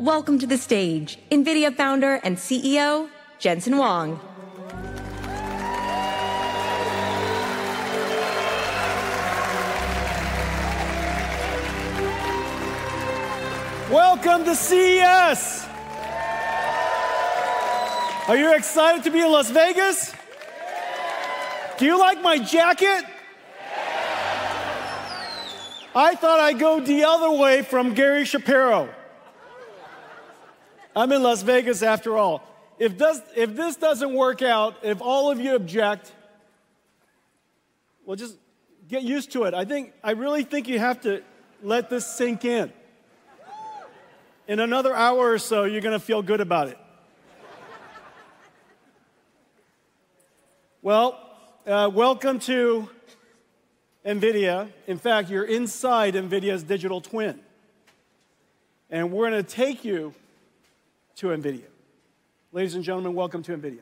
Welcome to the stage, NVIDIA founder and CEO, Jensen Huang. Welcome to CES! Are you excited to be in Las Vegas? Do you like my jacket? I thought I'd go the other way from Gary Shapiro. I'm in Las Vegas, after all. If this doesn't work out, if all of you object, we'll just get used to it. I really think you have to let this sink in. In another hour or so, you're going to feel good about it. Welcome to NVIDIA. In fact, you're inside NVIDIA's digital twin. We're going to take you to NVIDIA. Ladies and gentlemen, welcome to NVIDIA.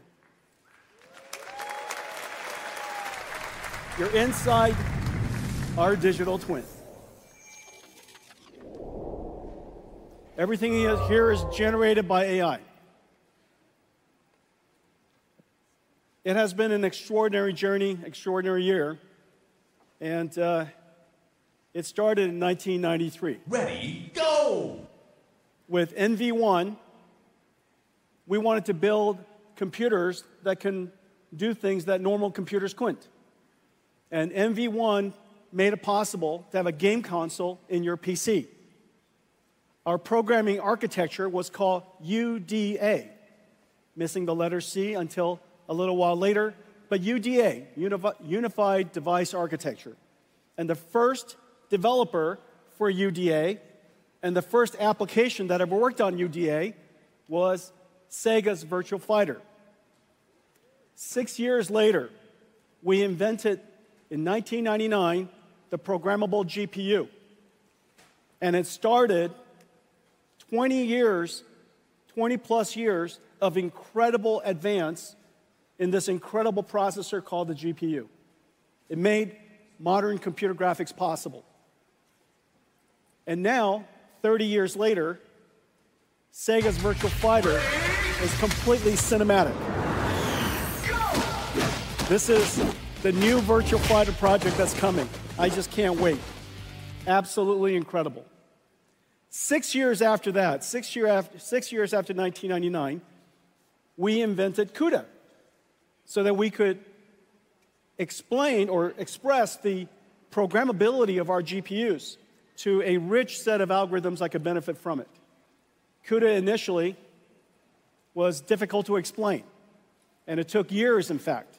You're inside our digital twin. Everything here is generated by AI. It has been an extraordinary journey, extraordinary year. It started in 1993. Ready, go! With NV1, we wanted to build computers that can do things that normal computers couldn't. And NV1 made it possible to have a game console in your PC. Our programming architecture was called UDA, missing the letter C until a little while later, but UDA, Unified Device Architecture. And the first developer for UDA and the first application that ever worked on UDA was Sega's Virtua Fighter. Six years later, we invented, in 1999, the programmable GPU. And it started 20 years, 20-plus years of incredible advance in this incredible processor called the GPU. It made modern computer graphics possible. And now, 30 years later, Sega's Virtua Fighter is completely cinematic. Go! This is the new Virtua Fighter project that's coming. I just can't wait. Absolutely incredible. Six years after that, six years after 1999, we invented CUDA so that we could explain or express the programmability of our GPUs to a rich set of algorithms that could benefit from it. CUDA initially was difficult to explain, and it took years, in fact.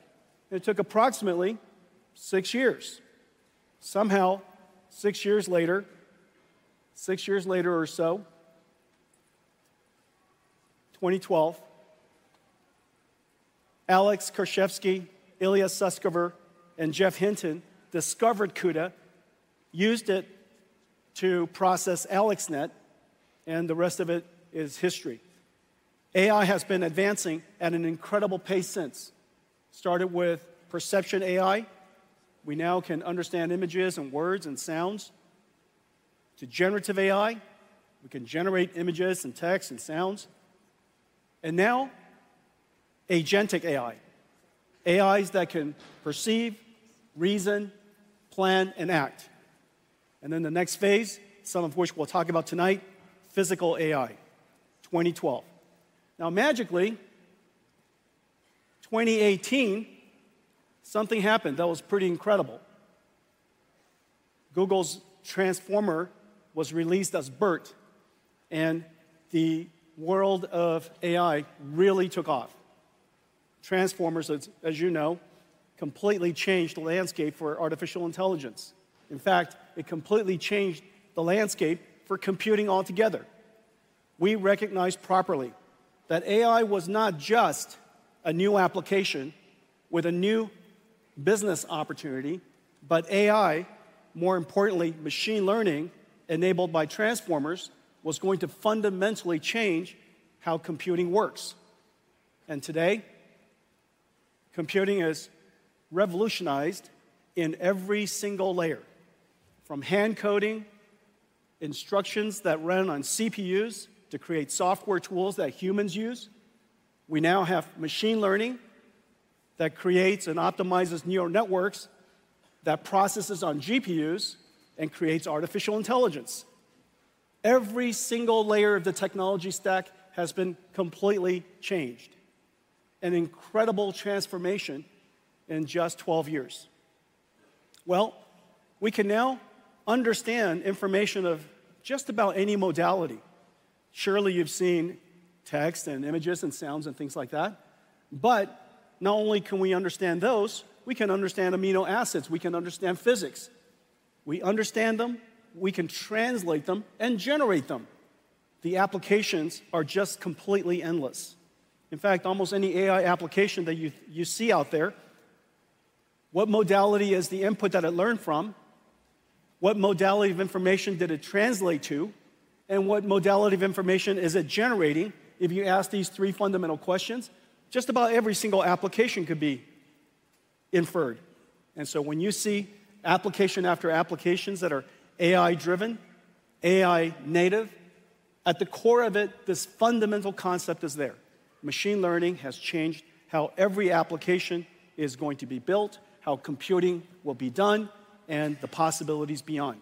It took approximately six years. Somehow, six years later, six years later or so, 2012, Alex Krizhevsky, Ilya Sutskever, and Geoffrey Hinton discovered CUDA, used it to process AlexNet, and the rest of it is history. AI has been advancing at an incredible pace since. It started with perception AI, where we now can understand images and words and sounds. To generative AI, we can generate images and text and sounds. And now, agentic AI, AIs that can perceive, reason, plan, and act. Then the next phase, some of which we'll talk about tonight, physical AI, 2012. Now, magically, 2018, something happened that was pretty incredible. Google's Transformer was released as BERT, and the world of AI really took off. Transformers, as you know, completely changed the landscape for artificial intelligence. In fact, it completely changed the landscape for computing altogether. We recognized properly that AI was not just a new application with a new business opportunity, but AI, more importantly, machine learning enabled by Transformers, was going to fundamentally change how computing works. And today, computing is revolutionized in every single layer, from hand coding instructions that run on CPUs to create software tools that humans use. We now have machine learning that creates and optimizes neural networks that processes on GPUs and creates artificial intelligence. Every single layer of the technology stack has been completely changed, an incredible transformation in just 12 years. Well, we can now understand information of just about any modality. Surely you've seen text and images and sounds and things like that. But not only can we understand those, we can understand amino acids, we can understand physics. We understand them, we can translate them, and generate them. The applications are just completely endless. In fact, almost any AI application that you see out there, what modality is the input that it learned from? What modality of information did it translate to? And what modality of information is it generating? If you ask these three fundamental questions, just about every single application could be inferred. And so when you see application after applications that are AI-driven, AI-native, at the core of it, this fundamental concept is there. Machine learning has changed how every application is going to be built, how computing will be done, and the possibilities beyond.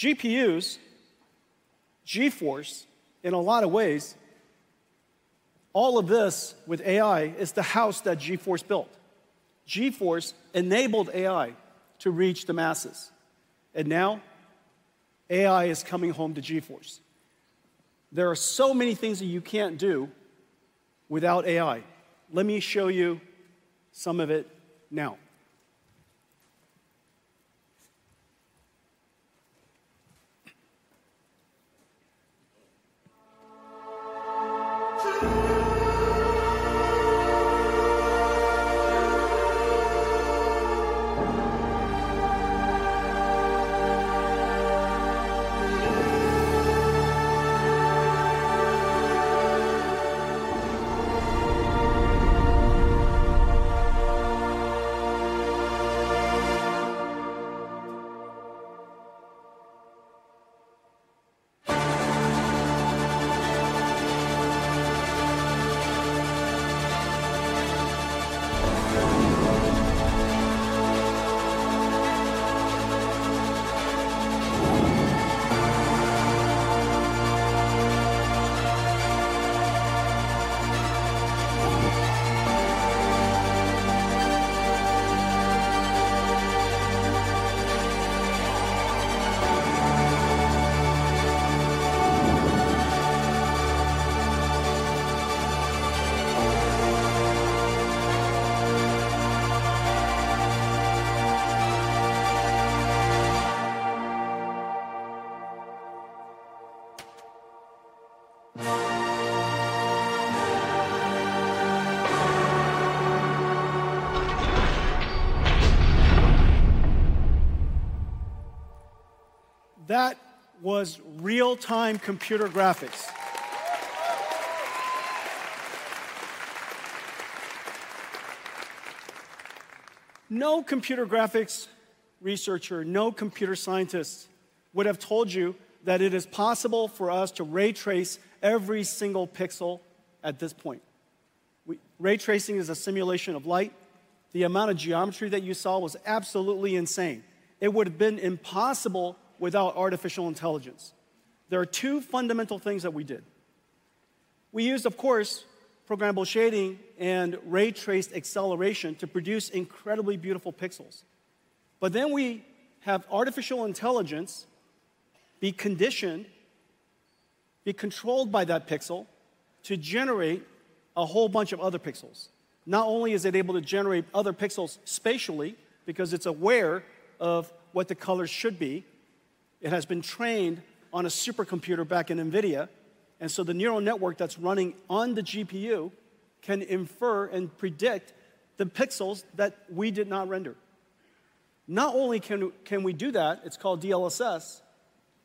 Well, GPUs, GeForce, in a lot of ways, all of this with AI is the house that GeForce built. GeForce enabled AI to reach the masses. And now, AI is coming home to GeForce. There are so many things that you can't do without AI. Let me show you some of it now. That was real-time computer graphics. No computer graphics researcher, no computer scientist would have told you that it is possible for us to ray trace every single pixel at this point. Ray tracing is a simulation of light. The amount of geometry that you saw was absolutely insane. It would have been impossible without artificial intelligence. There are two fundamental things that we did. We used, of course, programmable shading and ray-traced acceleration to produce incredibly beautiful pixels. But then we have artificial intelligence be conditioned, be controlled by that pixel to generate a whole bunch of other pixels. Not only is it able to generate other pixels spatially because it's aware of what the colors should be. It has been trained on a supercomputer back in NVIDIA. And so the neural network that's running on the GPU can infer and predict the pixels that we did not render. Not only can we do that, it's called DLSS.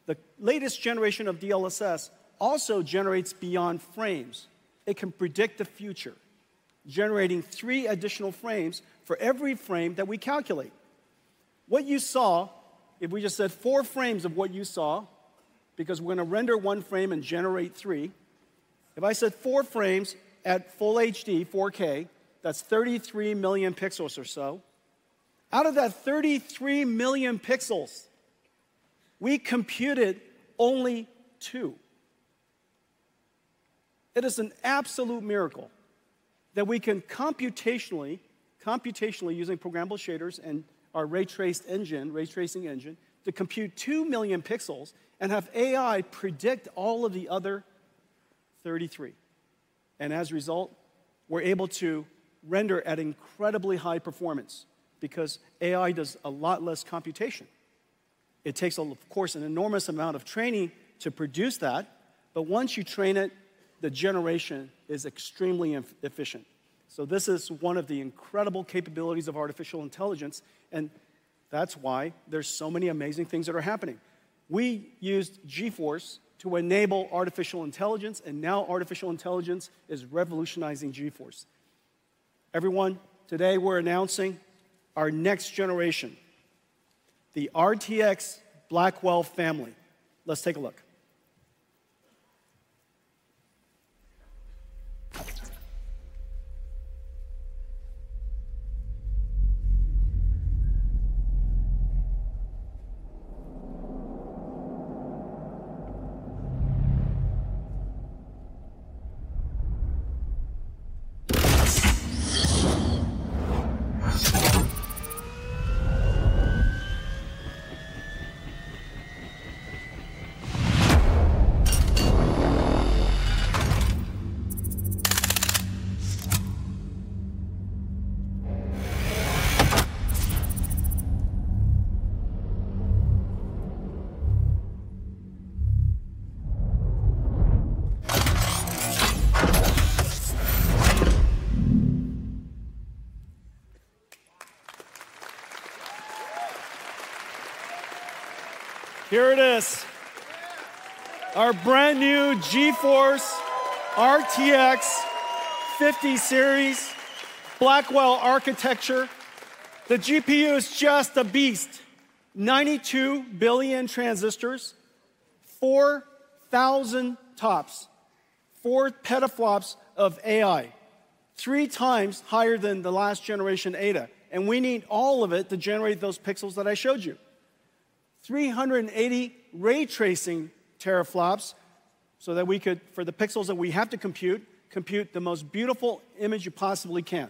The latest generation of DLSS also generates beyond frames. It can predict the future, generating three additional frames for every frame that we calculate. What you saw, if we just said four frames of what you saw, because we're going to render one frame and generate three. If I said four frames at full HD, 4K, that's 33 million pixels or so. Out of that 33 million pixels, we computed only two. It is an absolute miracle that we can computationally using programmable shaders and our ray tracing engine to compute two million pixels and have AI predict all of the other 33. And as a result, we're able to render at incredibly high performance because AI does a lot less computation. It takes, of course, an enormous amount of training to produce that. But once you train it, the generation is extremely efficient. So this is one of the incredible capabilities of artificial intelligence. And that's why there's so many amazing things that are happening. We used GeForce to enable artificial intelligence. And now artificial intelligence is revolutionizing GeForce. Everyone, today we're announcing our next generation, the RTX Blackwell family. Let's take a look. Here it is. Our brand new GeForce RTX 50 series Blackwell architecture. The GPU is just a beast. 92 billion transistors, 4,000 TOPS, four petaflops of AI, three times higher than the last generation Ada. And we need all of it to generate those pixels that I showed you. 380 ray tracing teraflops so that we could, for the pixels that we have to compute, compute the most beautiful image you possibly can.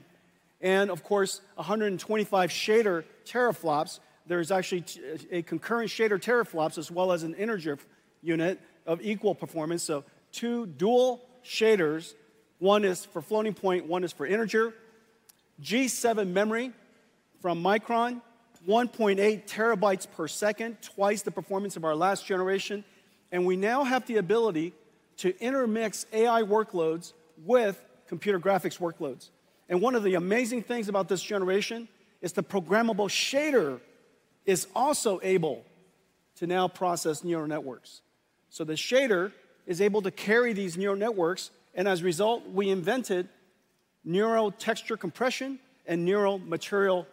And of course, 125 shader teraflops. There is actually a concurrent shader teraflops as well as an integer unit of equal performance. So two dual shaders. One is for floating point, one is for integer. G7 memory from Micron, 1.8 TB per second, twice the performance of our last generation. We now have the ability to intermix AI workloads with computer graphics workloads. One of the amazing things about this generation is the programmable shader is also able to now process neural networks. The shader is able to carry these neural networks. As a result, we invented neural texture compression and neural material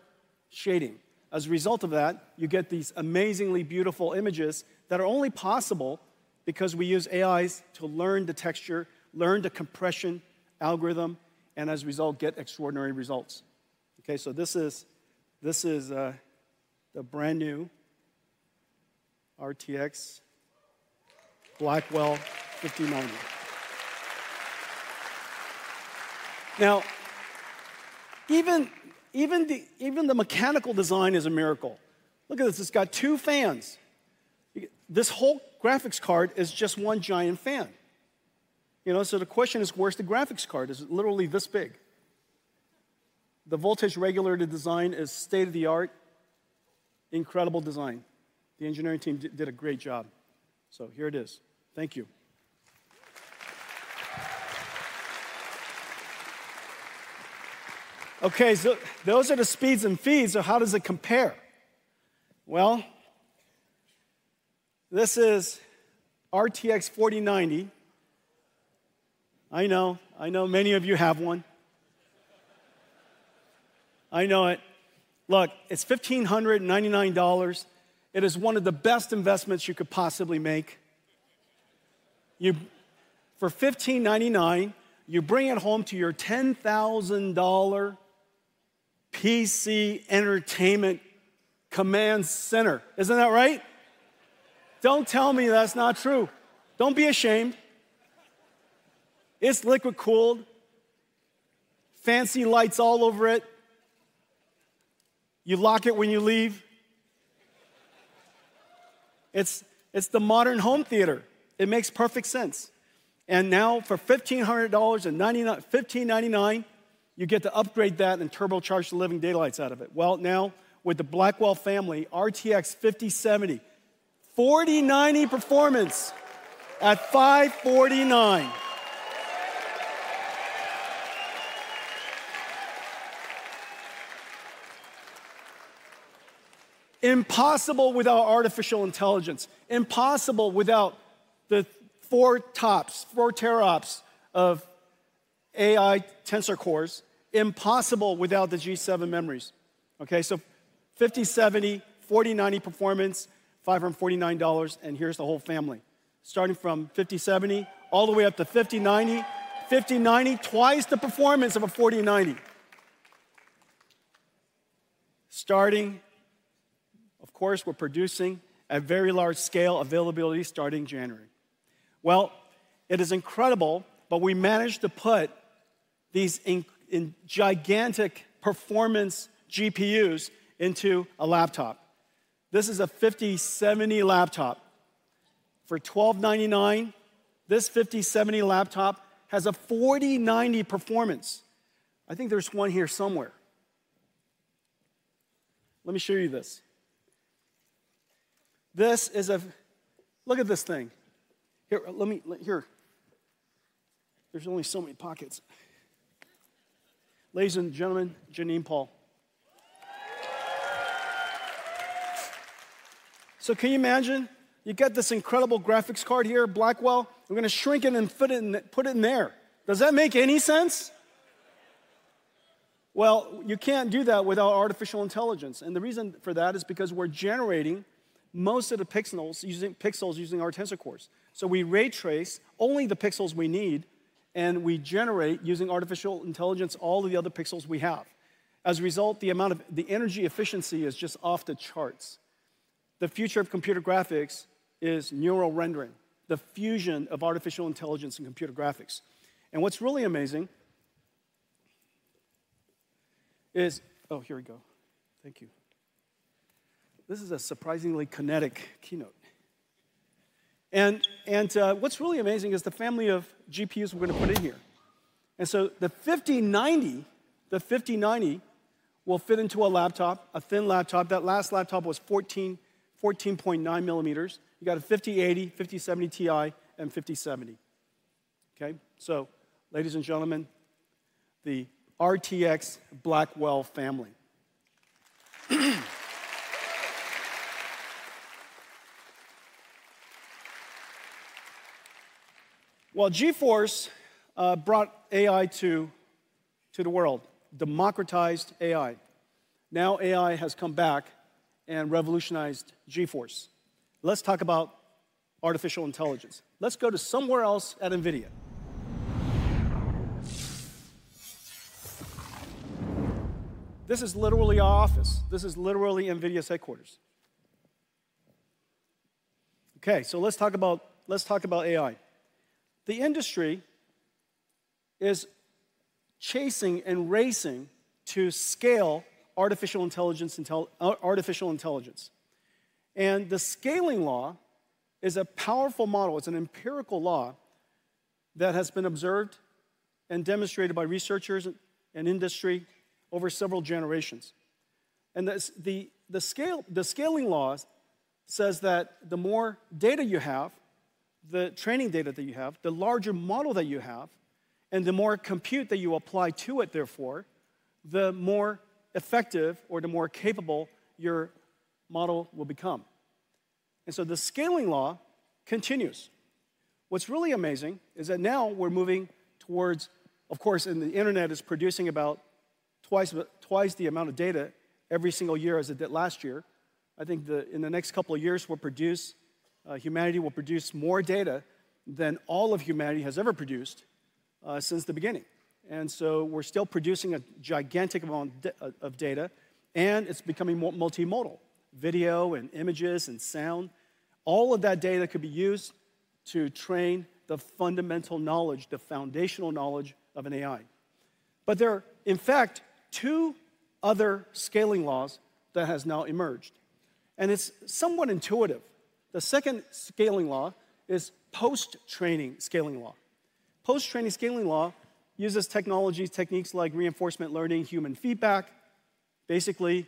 shading. As a result of that, you get these amazingly beautiful images that are only possible because we use AIs to learn the texture, learn the compression algorithm, and as a result, get extraordinary results. Okay, so this is the brand new RTX Blackwell 5090. Even the mechanical design is a miracle. Look at this. It's got two fans. This whole graphics card is just one giant fan. You know, so the question is, where's the graphics card? Is it literally this big? The voltage regulator design is state of the art. Incredible design. The engineering team did a great job. So here it is. Thank you. Okay, so those are the speeds and feeds. So how does it compare? Well, this is RTX 4090. I know, I know many of you have one. I know it. Look, it's $1,599. It is one of the best investments you could possibly make. For $1,599, you bring it home to your $10,000 PC entertainment command center. Isn't that right? Don't tell me that's not true. Don't be ashamed. It's liquid cooled, fancy lights all over it. You lock it when you leave. It's the modern home theater. It makes perfect sense, and now for $1,599, you get to upgrade that and turbocharge the living daylights out of it. Now with the Blackwell family, RTX 5070, 4090 performance at $549. Impossible without artificial intelligence. Impossible without the four TOPS, four teraflops of AI Tensor Cores. Impossible without the G7 memories. Okay, so 5070, 4090 performance, $549. Here's the whole family. Starting from 5070 all the way up to 5090. 5090, twice the performance of a 4090. Starting, of course, we're producing at very large scale availability starting January. It is incredible, but we managed to put these gigantic performance GPUs into a laptop. This is a 5070 laptop. For $1,299, this 5070 laptop has a 4090 performance. I think there's one here somewhere. Let me show you this. This is a, look at this thing. Here, let me, here. There's only so many pockets. Ladies and gentlemen, Janine Paul. Can you imagine? You get this incredible graphics card here, Blackwell. We're going to shrink it and put it in there. Does that make any sense? You can't do that without artificial intelligence. The reason for that is because we're generating most of the pixels using our Tensor Cores. We ray trace only the pixels we need, and we generate using artificial intelligence all of the other pixels we have. As a result, the amount of the energy efficiency is just off the charts. The future of computer graphics is neural rendering, the fusion of artificial intelligence and computer graphics. What's really amazing is, oh, here we go. Thank you. This is a surprisingly kinetic keynote. What's really amazing is the family of GPUs we're going to put in here. The 5090 will fit into a laptop, a thin laptop. That last laptop was 14.9 millimeters. You got a 5080, 5070 Ti, and 5070. Okay, so ladies and gentlemen, the RTX Blackwell family, well, GeForce brought AI to the world, democratized AI. Now AI has come back and revolutionized GeForce. Let's talk about artificial intelligence. Let's go to somewhere else at NVIDIA. This is literally our office. This is literally NVIDIA's headquarters. Okay, so let's talk about AI. The industry is chasing and racing to scale artificial intelligence, and the scaling law is a powerful model. It's an empirical law that has been observed and demonstrated by researchers and industry over several generations, and the scaling law says that the more data you have, the training data that you have, the larger model that you have, and the more compute that you apply to it, therefore, the more effective or the more capable your model will become, and so the scaling law continues. What's really amazing is that now we're moving towards, of course, in the internet is producing about twice the amount of data every single year as it did last year. I think in the next couple of years, humanity will produce more data than all of humanity has ever produced since the beginning. And so we're still producing a gigantic amount of data, and it's becoming multimodal, video and images and sound. All of that data could be used to train the fundamental knowledge, the foundational knowledge of an AI. But there are, in fact, two other scaling laws that have now emerged. And it's somewhat intuitive. The second scaling law is post-training scaling law. Post-training scaling law uses technologies, techniques like reinforcement learning, human feedback. Basically,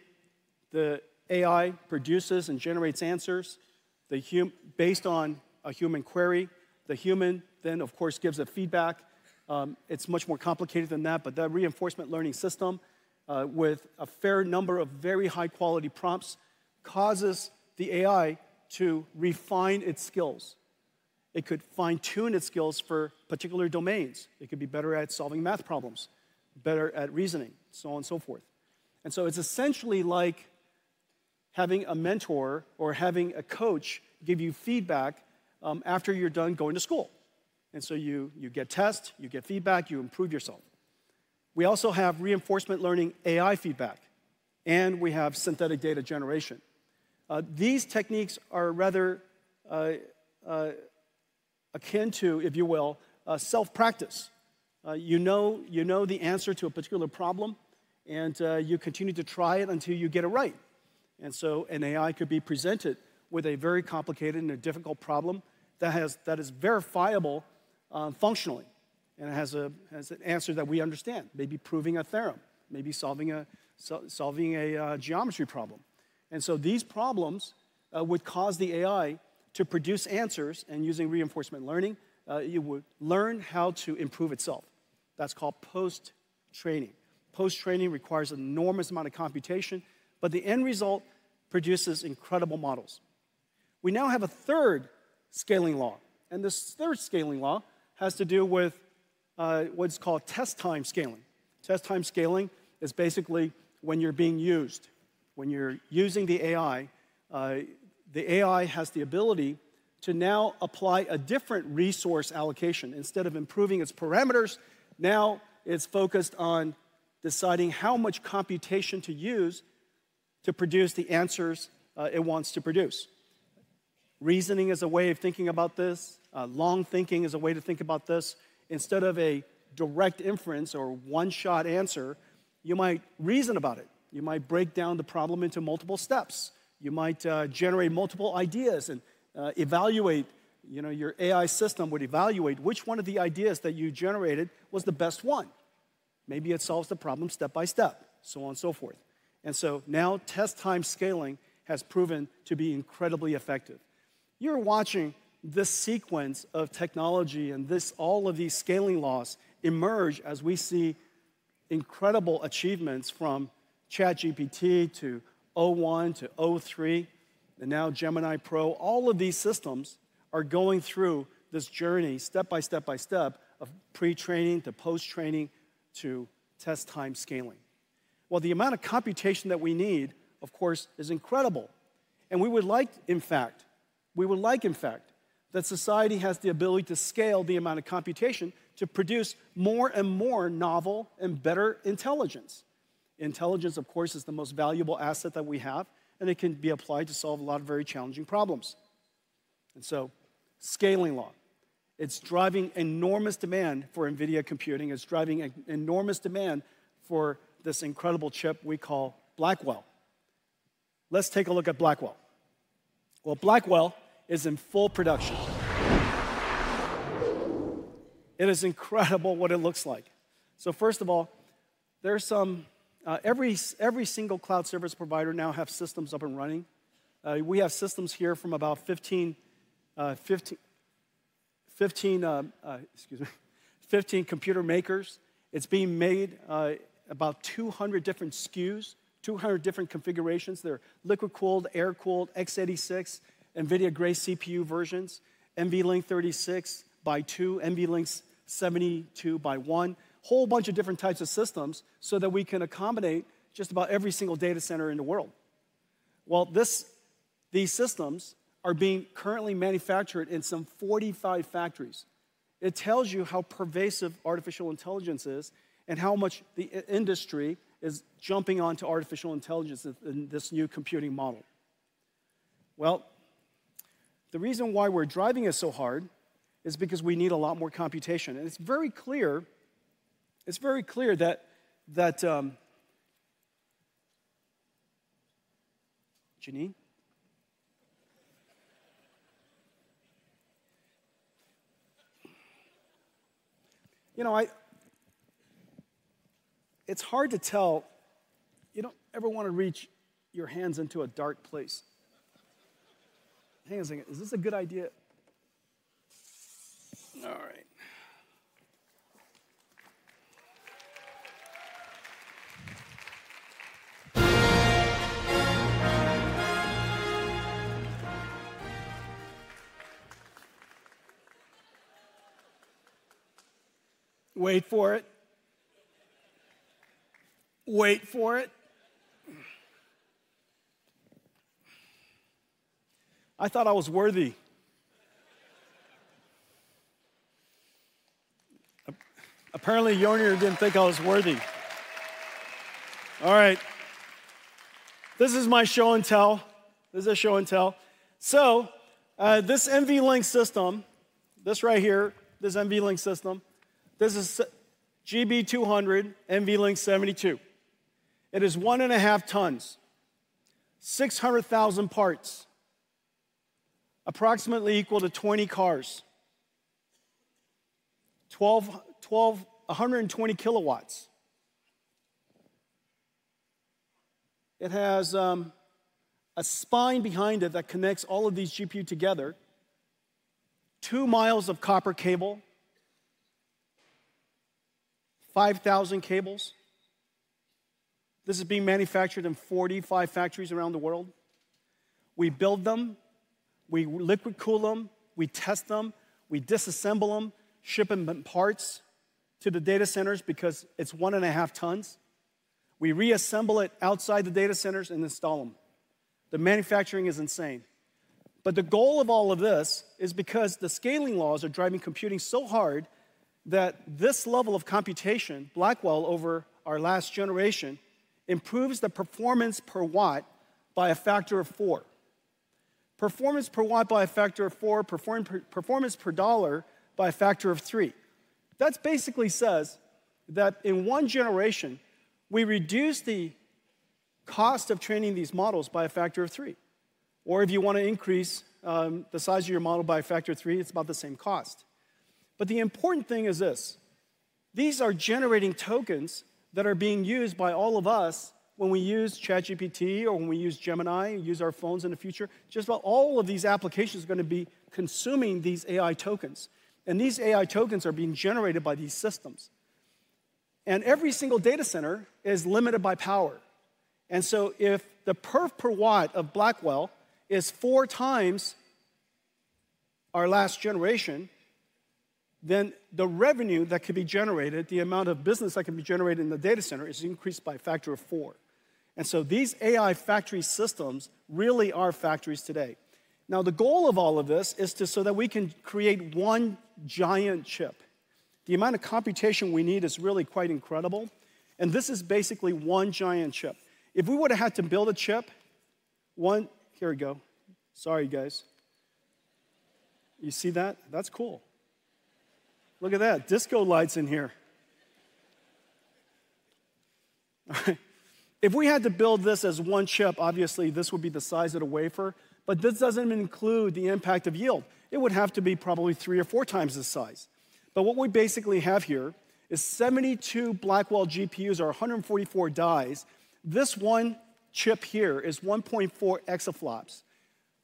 the AI produces and generates answers based on a human query. The human then, of course, gives a feedback. It's much more complicated than that, but that reinforcement learning system with a fair number of very high-quality prompts causes the AI to refine its skills. It could fine-tune its skills for particular domains. It could be better at solving math problems, better at reasoning, so on and so forth. And so it's essentially like having a mentor or having a coach give you feedback after you're done going to school. And so you get tests, you get feedback, you improve yourself. We also have reinforcement learning AI feedback, and we have synthetic data generation. These techniques are rather akin to, if you will, self-practice. You know the answer to a particular problem, and you continue to try it until you get it right. An AI could be presented with a very complicated and a difficult problem that is verifiable functionally, and it has an answer that we understand, maybe proving a theorem, maybe solving a geometry problem. These problems would cause the AI to produce answers, and using reinforcement learning, it would learn how to improve itself. That's called post-training. Post-training requires an enormous amount of computation, but the end result produces incredible models. We now have a third scaling law. This third scaling law has to do with what's called test-time scaling. Test-time scaling is basically when you're being used. When you're using the AI, the AI has the ability to now apply a different resource allocation. Instead of improving its parameters, now it's focused on deciding how much computation to use to produce the answers it wants to produce. Reasoning is a way of thinking about this. Long thinking is a way to think about this. Instead of a direct inference or one-shot answer, you might reason about it. You might break down the problem into multiple steps. You might generate multiple ideas and evaluate. Your AI system would evaluate which one of the ideas that you generated was the best one. Maybe it solves the problem step by step, so on and so forth. And so now test-time scaling has proven to be incredibly effective. You're watching this sequence of technology and all of these scaling laws emerge as we see incredible achievements from ChatGPT to o1 to o3 and now Gemini Pro. All of these systems are going through this journey step by step by step of pre-training to post-training to test-time scaling. Well, the amount of computation that we need, of course, is incredible. We would like, in fact, that society has the ability to scale the amount of computation to produce more and more novel and better intelligence. Intelligence, of course, is the most valuable asset that we have, and it can be applied to solve a lot of very challenging problems. Scaling law, it's driving enormous demand for NVIDIA computing. It's driving enormous demand for this incredible chip we call Blackwell. Let's take a look at Blackwell. Blackwell is in full production. It is incredible what it looks like. First of all, every single cloud service provider now has systems up and running. We have systems here from about 15, excuse me, 15 computer makers. It's being made about 200 different SKUs, 200 different configurations. They're liquid-cooled, air-cooled, x86, NVIDIA Grace CPU versions, NVL36 by 2, NV72 by 1, a whole bunch of different types of systems so that we can accommodate just about every single data center in the world. Well, these systems are being currently manufactured in some 45 factories. It tells you how pervasive artificial intelligence is and how much the industry is jumping onto artificial intelligence in this new computing model. Well, the reason why we're driving it so hard is because we need a lot more computation. And it's very clear, it's very clear that Janine, you know, it's hard to tell, you don't ever want to reach your hands into a dark place. Hang on a second. Is this a good idea? All right. Wait for it. Wait for it. I thought I was worthy. Apparently, Mjolnir didn't think I was worthy. All right. This is my show and tell. This is a show and tell. So this NVLink system, this right here, this NVLink system, this is GB200 NVL72. It is 1.5 tons, 600,000 parts, approximately equal to 20 cars, 120 kW. It has a spine behind it that connects all of these GPUs together, two miles of copper cable, 5,000 cables. This is being manufactured in 45 factories around the world. We build them, we liquid-cool them, we test them, we disassemble them, ship them in parts to the data centers because it's 1.5 tons. We reassemble it outside the data centers and install them. The manufacturing is insane. But the goal of all of this is because the scaling laws are driving computing so hard that this level of computation, Blackwell over our last generation, improves the performance per watt by a factor of four. Performance per watt by a factor of four, performance per dollar by a factor of three. That basically says that in one generation, we reduce the cost of training these models by a factor of three. Or if you want to increase the size of your model by a factor of three, it's about the same cost. But the important thing is this. These are generating tokens that are being used by all of us when we use ChatGPT or when we use Gemini and use our phones in the future. Just about all of these applications are going to be consuming these AI tokens. These AI tokens are being generated by these systems. Every single data center is limited by power. If the perf per watt of Blackwell is four times our last generation, then the revenue that could be generated, the amount of business that can be generated in the data center is increased by a factor of four. These AI factory systems really are factories today. Now, the goal of all of this is so that we can create one giant chip. The amount of computation we need is really quite incredible. This is basically one giant chip. If we would have had to build a chip, here we go. Sorry, guys. You see that? That's cool. Look at that. Disco lights in here. If we had to build this as one chip, obviously, this would be the size of the wafer. But this doesn't include the impact of yield. It would have to be probably three or four times the size. But what we basically have here is 72 Blackwell GPUs or 144 dies. This one chip here is 1.4 exaflops.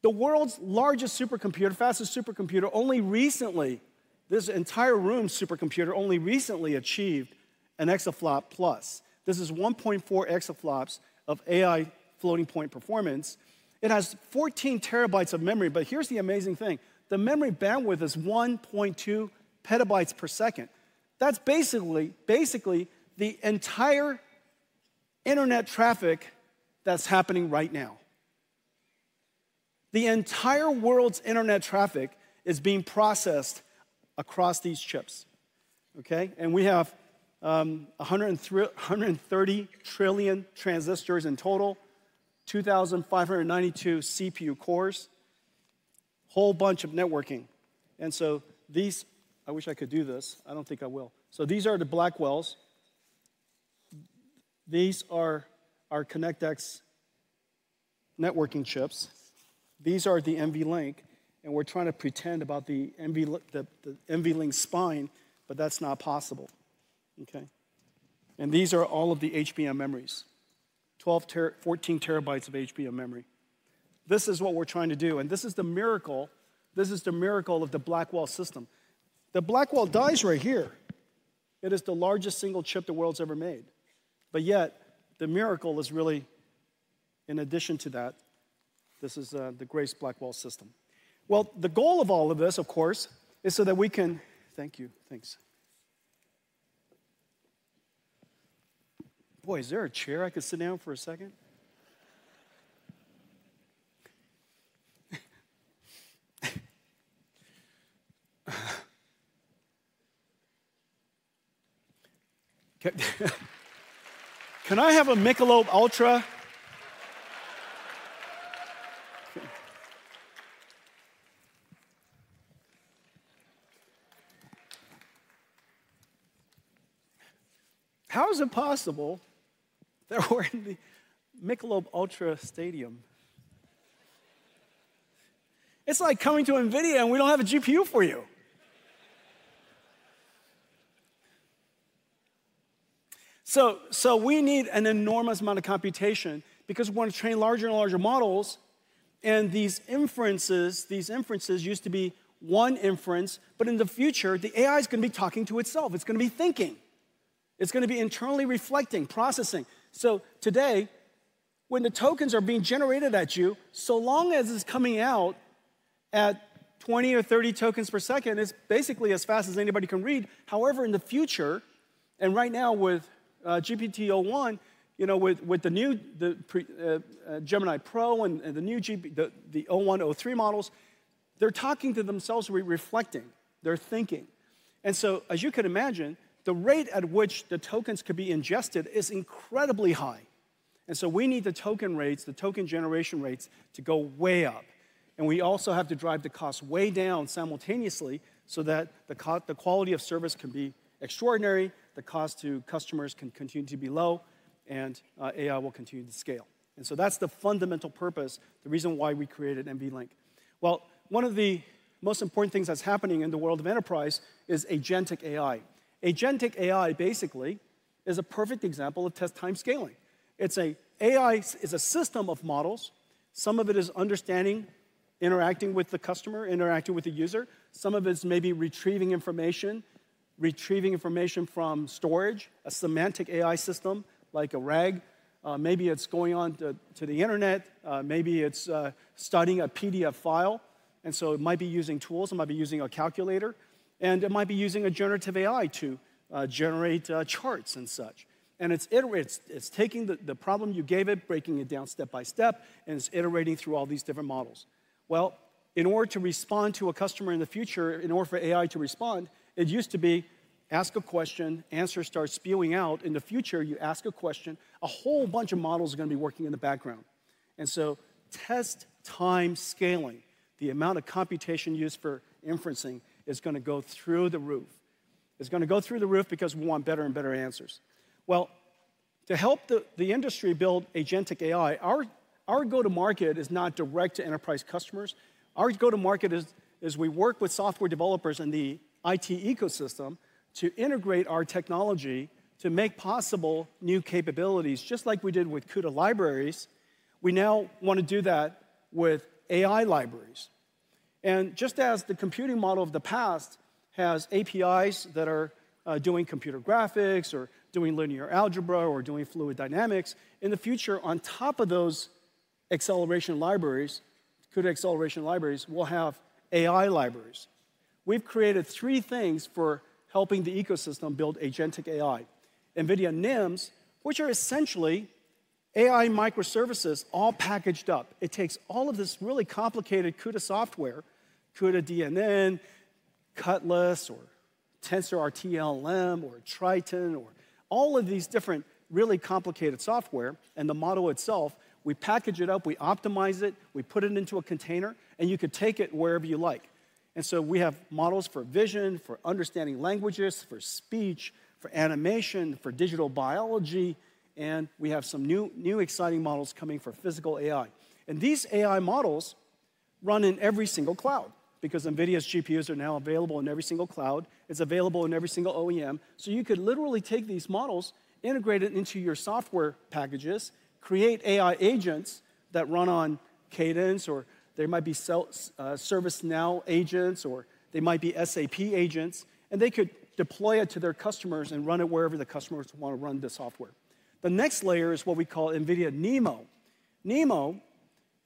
The world's largest supercomputer, fastest supercomputer, only recently, this entire room's supercomputer only recently achieved an exaflop plus. This is 1.4 exaflops of AI floating point performance. It has 14 TB of memory. But here's the amazing thing. The memory bandwidth is 1.2 petabytes per second. That's basically the entire internet traffic that's happening right now. The entire world's internet traffic is being processed across these chips. Okay? And we have 130 trillion transistors in total, 2,592 CPU cores, a whole bunch of networking. And so these, I wish I could do this. I don't think I will. So these are the Blackwells. These are our ConnectX networking chips. These are the NVLink. And we're trying to pretend about the NVLink spine, but that's not possible. Okay? And these are all of the HBM memories, 14 TB of HBM memory. This is what we're trying to do. And this is the miracle. This is the miracle of the Blackwell system. The Blackwell die is right here. It is the largest single chip the world's ever made. But yet, the miracle is really in addition to that. This is the Grace Blackwell system. Well, the goal of all of this, of course, is so that we can. Thank you. Thanks. Boy, is there a chair I could sit down for a second? Can I have a Michelob Ultra? How is it possible that we're in the Michelob ULTRA Arena? It's like coming to NVIDIA and we don't have a GPU for you. So we need an enormous amount of computation because we want to train larger and larger models. And these inferences, these inferences used to be one inference. But in the future, the AI is going to be talking to itself. It's going to be thinking. It's going to be internally reflecting, processing. So today, when the tokens are being generated at you, so long as it's coming out at 20 or 30 tokens per second, it's basically as fast as anybody can read. However, in the future, and right now with GPT-o1, you know, with the new Gemini Pro and the new o1, o3 models, they're talking to themselves, reflecting. They're thinking. And so, as you can imagine, the rate at which the tokens could be ingested is incredibly high. And so we need the token rates, the token generation rates to go way up. And we also have to drive the cost way down simultaneously so that the quality of service can be extraordinary, the cost to customers can continue to be low, and AI will continue to scale. And so that's the fundamental purpose, the reason why we created NVLink. Well, one of the most important things that's happening in the world of enterprise is Agentic AI. Agentic AI basically is a perfect example of test-time scaling. It's an AI, it's a system of models. Some of it is understanding, interacting with the customer, interacting with the user. Some of it is maybe retrieving information from storage, a semantic AI system like a RAG. Maybe it's going on to the internet. Maybe it's studying a PDF file. And so it might be using tools. It might be using a calculator. It might be using a generative AI to generate charts and such. It's taking the problem you gave it, breaking it down step by step, and it's iterating through all these different models. In order to respond to a customer in the future, in order for AI to respond, it used to be ask a question, answer starts spewing out. In the future, you ask a question, a whole bunch of models are going to be working in the background. Test-time scaling, the amount of computation used for inferencing is going to go through the roof. It's going to go through the roof because we want better and better answers. To help the industry build agentic AI, our go-to-market is not direct to enterprise customers. Our go-to-market is we work with software developers in the IT ecosystem to integrate our technology to make possible new capabilities, just like we did with CUDA libraries. We now want to do that with AI libraries, and just as the computing model of the past has APIs that are doing computer graphics or doing linear algebra or doing fluid dynamics, in the future, on top of those acceleration libraries, CUDA acceleration libraries, we'll have AI libraries. We've created three things for helping the ecosystem build agentic AI. NVIDIA NIMs, which are essentially AI microservices all packaged up. It takes all of this really complicated CUDA software, cuDNN, CUTLASS, or TensorRT-LLM, or Triton, or all of these different really complicated software and the model itself, we package it up, we optimize it, we put it into a container, and you could take it wherever you like. We have models for vision, for understanding languages, for speech, for animation, for digital biology, and we have some new exciting models coming for physical AI. These AI models run in every single cloud because NVIDIA's GPUs are now available in every single cloud. It's available in every single OEM, so you could literally take these models, integrate it into your software packages, create AI agents that run on Cadence, or there might be ServiceNow agents, or they might be SAP agents, and they could deploy it to their customers and run it wherever the customers want to run the software. The next layer is what we call NVIDIA NeMo. NeMo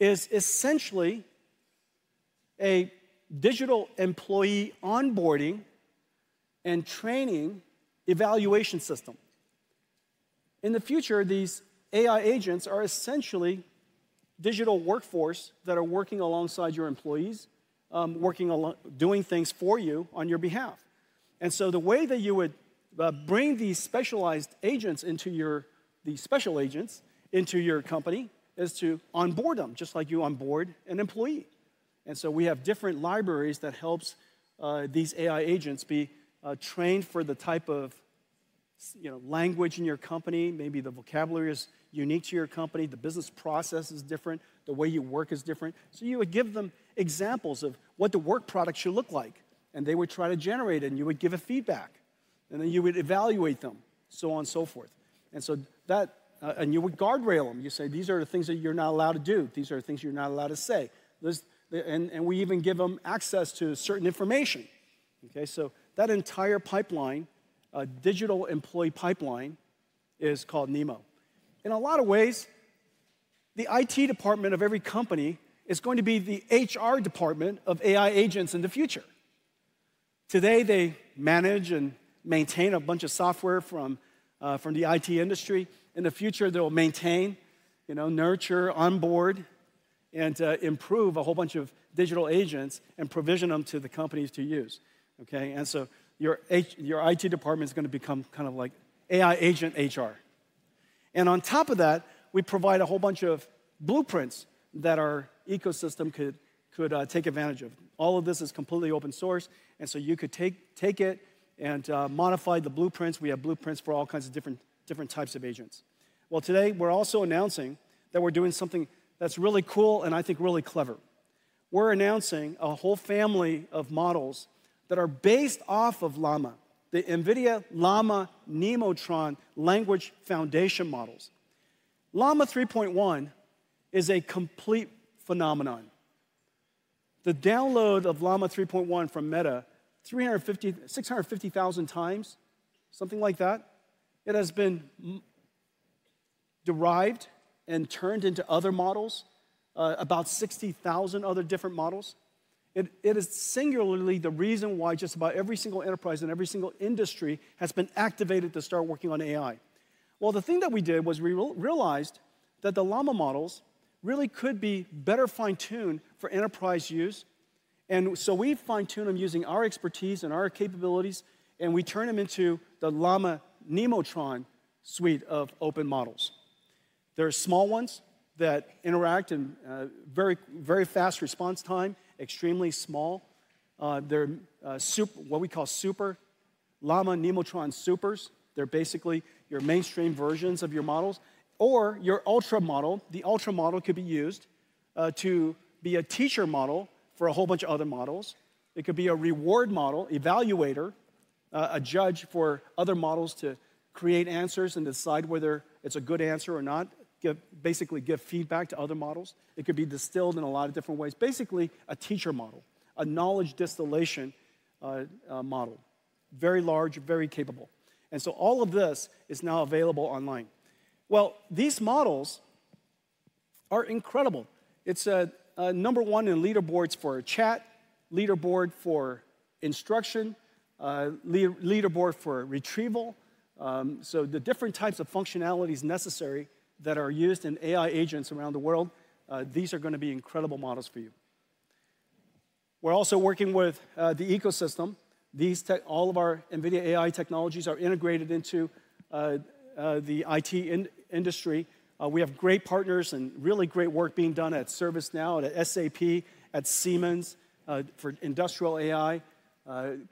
is essentially a digital employee onboarding and training evaluation system. In the future, these AI agents are essentially digital workforce that are working alongside your employees, working, doing things for you on your behalf. And so the way that you would bring these special agents into your company is to onboard them, just like you onboard an employee. And so we have different libraries that help these AI agents be trained for the type of language in your company. Maybe the vocabulary is unique to your company. The business process is different. The way you work is different. So you would give them examples of what the work product should look like. And they would try to generate it, and you would give it feedback. And then you would evaluate them, so on and so forth. And so you would guardrail them. You say, these are the things that you're not allowed to do. These are the things you're not allowed to say. And we even give them access to certain information. Okay? So, that entire pipeline, digital employee pipeline, is called NeMo. In a lot of ways, the IT department of every company is going to be the HR department of AI agents in the future. Today, they manage and maintain a bunch of software from the IT industry. In the future, they'll maintain, nurture, onboard, and improve a whole bunch of digital agents and provision them to the companies to use. Okay? And so your IT department is going to become kind of like AI agent HR. And on top of that, we provide a whole bunch of blueprints that our ecosystem could take advantage of. All of this is completely open source. And so you could take it and modify the blueprints. We have blueprints for all kinds of different types of agents. Well, today, we're also announcing that we're doing something that's really cool and I think really clever. We're announcing a whole family of models that are based off of Llama, the NVIDIA Llama Nemotron Language Foundation models. Llama 3.1 is a complete phenomenon. The download of Llama 3.1 from Meta, 650,000 times, something like that. It has been derived and turned into other models, about 60,000 other different models. It is singularly the reason why just about every single enterprise and every single industry has been activated to start working on AI. The thing that we did was we realized that the Llama models really could be better fine-tuned for enterprise use. And so we fine-tune them using our expertise and our capabilities, and we turn them into the Llama Nemotron suite of open models. There are small ones that interact and very, very fast response time, extremely small. They're what we call super Llama Nemotron supers. They're basically your mainstream versions of your models. Or your Llama model, the Llama model could be used to be a teacher model for a whole bunch of other models. It could be a reward model, evaluator, a judge for other models to create answers and decide whether it's a good answer or not, basically give feedback to other models. It could be distilled in a lot of different ways. Basically, a teacher model, a knowledge distillation model, very large, very capable, and so all of this is now available online. Well, these models are incredible. It's number one in leaderboards for chat, leaderboard for instruction, leaderboard for retrieval. So the different types of functionalities necessary that are used in AI agents around the world, these are going to be incredible models for you. We're also working with the ecosystem. All of our NVIDIA AI technologies are integrated into the IT industry. We have great partners and really great work being done at ServiceNow, at SAP, at Siemens for industrial AI.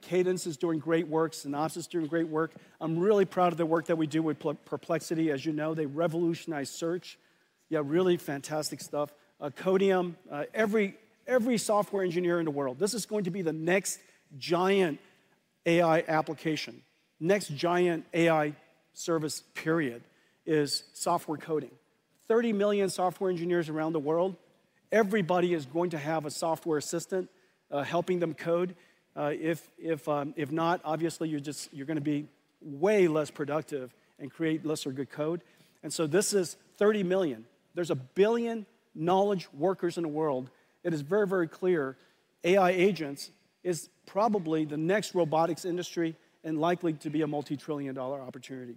Cadence is doing great work. Synopsys is doing great work. I'm really proud of the work that we do with Perplexity. As you know, they revolutionized search. Yeah, really fantastic stuff. Codeium, every software engineer in the world, this is going to be the next giant AI application. Next giant AI service, period, is software coding. 30 million software engineers around the world, everybody is going to have a software assistant helping them code. If not, obviously, you're going to be way less productive and create lesser good code. And so this is 30 million. There's a billion knowledge workers in the world. It is very, very clear AI agents is probably the next robotics industry and likely to be a multi-trillion dollar opportunity.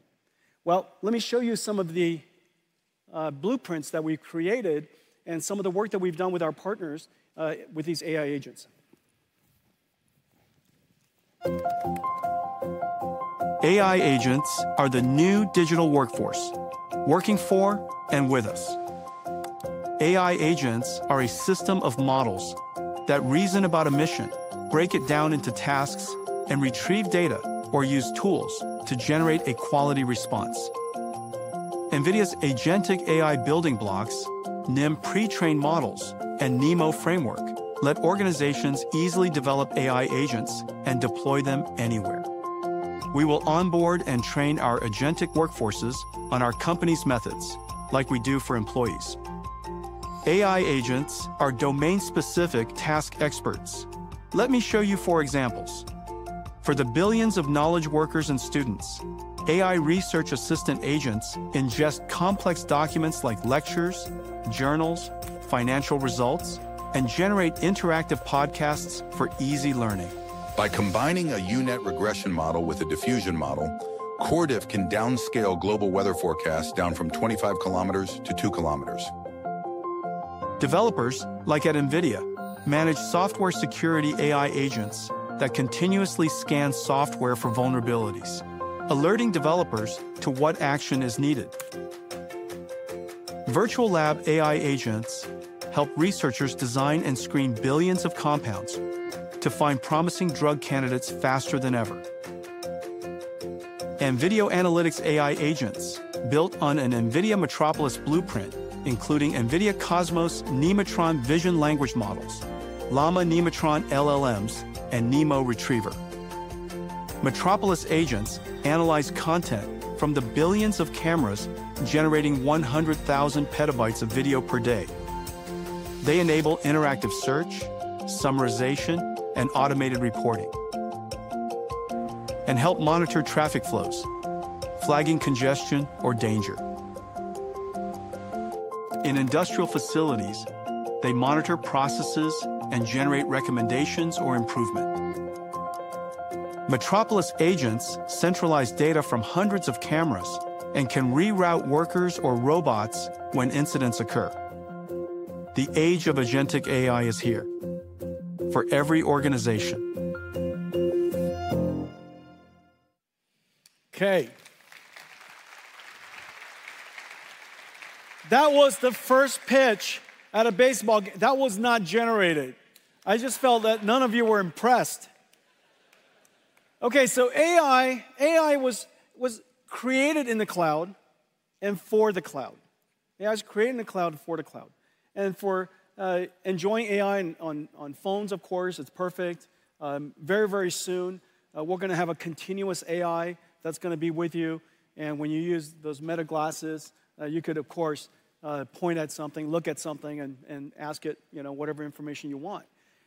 Well, let me show you some of the blueprints that we created and some of the work that we've done with our partners with these AI agents. AI agents are the new digital workforce working for and with us. AI agents are a system of models that reason about a mission, break it down into tasks, and retrieve data or use tools to generate a quality response. NVIDIA's agentic AI building blocks, NIM pre-trained models, and NeMo framework let organizations easily develop AI agents and deploy them anywhere. We will onboard and train our agentic workforces on our company's methods like we do for employees. AI agents are domain-specific task experts. Let me show you four examples. For the billions of knowledge workers and students, AI research assistant agents ingest complex documents like lectures, journals, financial results, and generate interactive podcasts for easy learning. By combining a U-Net regression model with a diffusion model, CorrDiff can downscale global weather forecasts down from 25 km to 2 km. Developers, like at NVIDIA, manage software security AI agents that continuously scan software for vulnerabilities, alerting developers to what action is needed. Virtual lab AI agents help researchers design and screen billions of compounds to find promising drug candidates faster than ever. NVIDIA Analytics AI agents built on an NVIDIA Metropolis blueprint, including NVIDIA Cosmos Nemotron vision language models, Llama Nemotron LLMs, and NeMo Retriever. Metropolis agents analyze content from the billions of cameras, generating 100,000 petabytes of video per day. They enable interactive search, summarization, and automated reporting, and help monitor traffic flows, flagging congestion or danger. In industrial facilities, they monitor processes and generate recommendations or improvement. Metropolis agents centralize data from hundreds of cameras and can reroute workers or robots when incidents occur. The age of Agentic AI is here for every organization. Okay. That was the first pitch at a baseball game. That was not generated. I just felt that none of you were impressed. Okay, so AI was created in the cloud and for the cloud. AI is created in the cloud and for the cloud. And for enjoying AI on phones, of course, it's perfect. Very, very soon, we're going to have a continuous AI that's going to be with you. And when you use those Meta glasses, you could, of course, point at something, look at something, and ask it whatever information you want.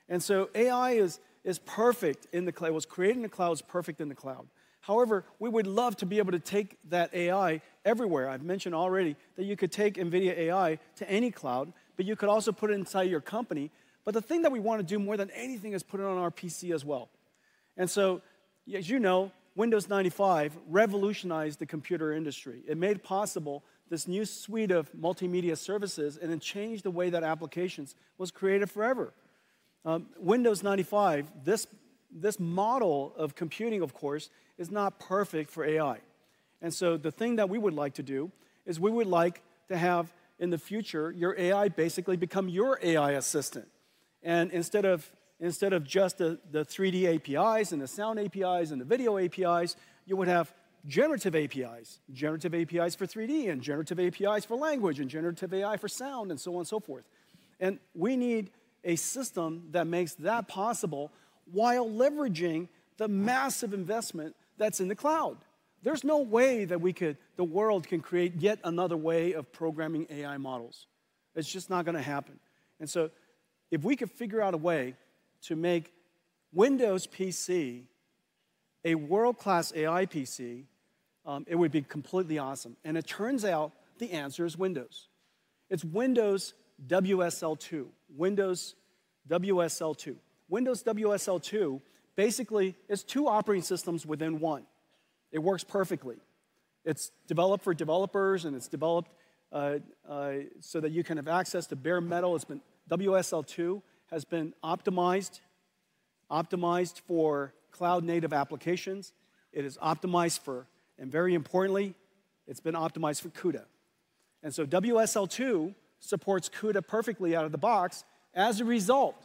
And so AI is perfect in the cloud. It was created in the cloud. It's perfect in the cloud. However, we would love to be able to take that AI everywhere. I've mentioned already that you could take NVIDIA AI to any cloud, but you could also put it inside your company. But the thing that we want to do more than anything is put it on our PC as well. And so, as you know, Windows 95 revolutionized the computer industry. It made possible this new suite of multimedia services and then changed the way that applications was created forever. Windows 95, this model of computing, of course, is not perfect for AI. And so the thing that we would like to do is we would like to have, in the future, your AI basically become your AI assistant. And instead of just the 3D APIs and the sound APIs and the video APIs, you would have generative APIs, generative APIs for 3D and generative APIs for language and generative AI for sound and so on and so forth. And we need a system that makes that possible while leveraging the massive investment that's in the cloud. There's no way that we could, the world can create yet another way of programming AI models. It's just not going to happen. And so if we could figure out a way to make Windows PC a world-class AI PC, it would be completely awesome. And it turns out the answer is Windows. It's Windows WSL2. Windows WSL2. Windows WSL2 basically is two operating systems within one. It works perfectly. It's developed for developers, and it's developed so that you can have access to bare metal. WSL2 has been optimized for cloud-native applications. It is optimized for, and very importantly, it's been optimized for CUDA. And so WSL2 supports CUDA perfectly out of the box. As a result,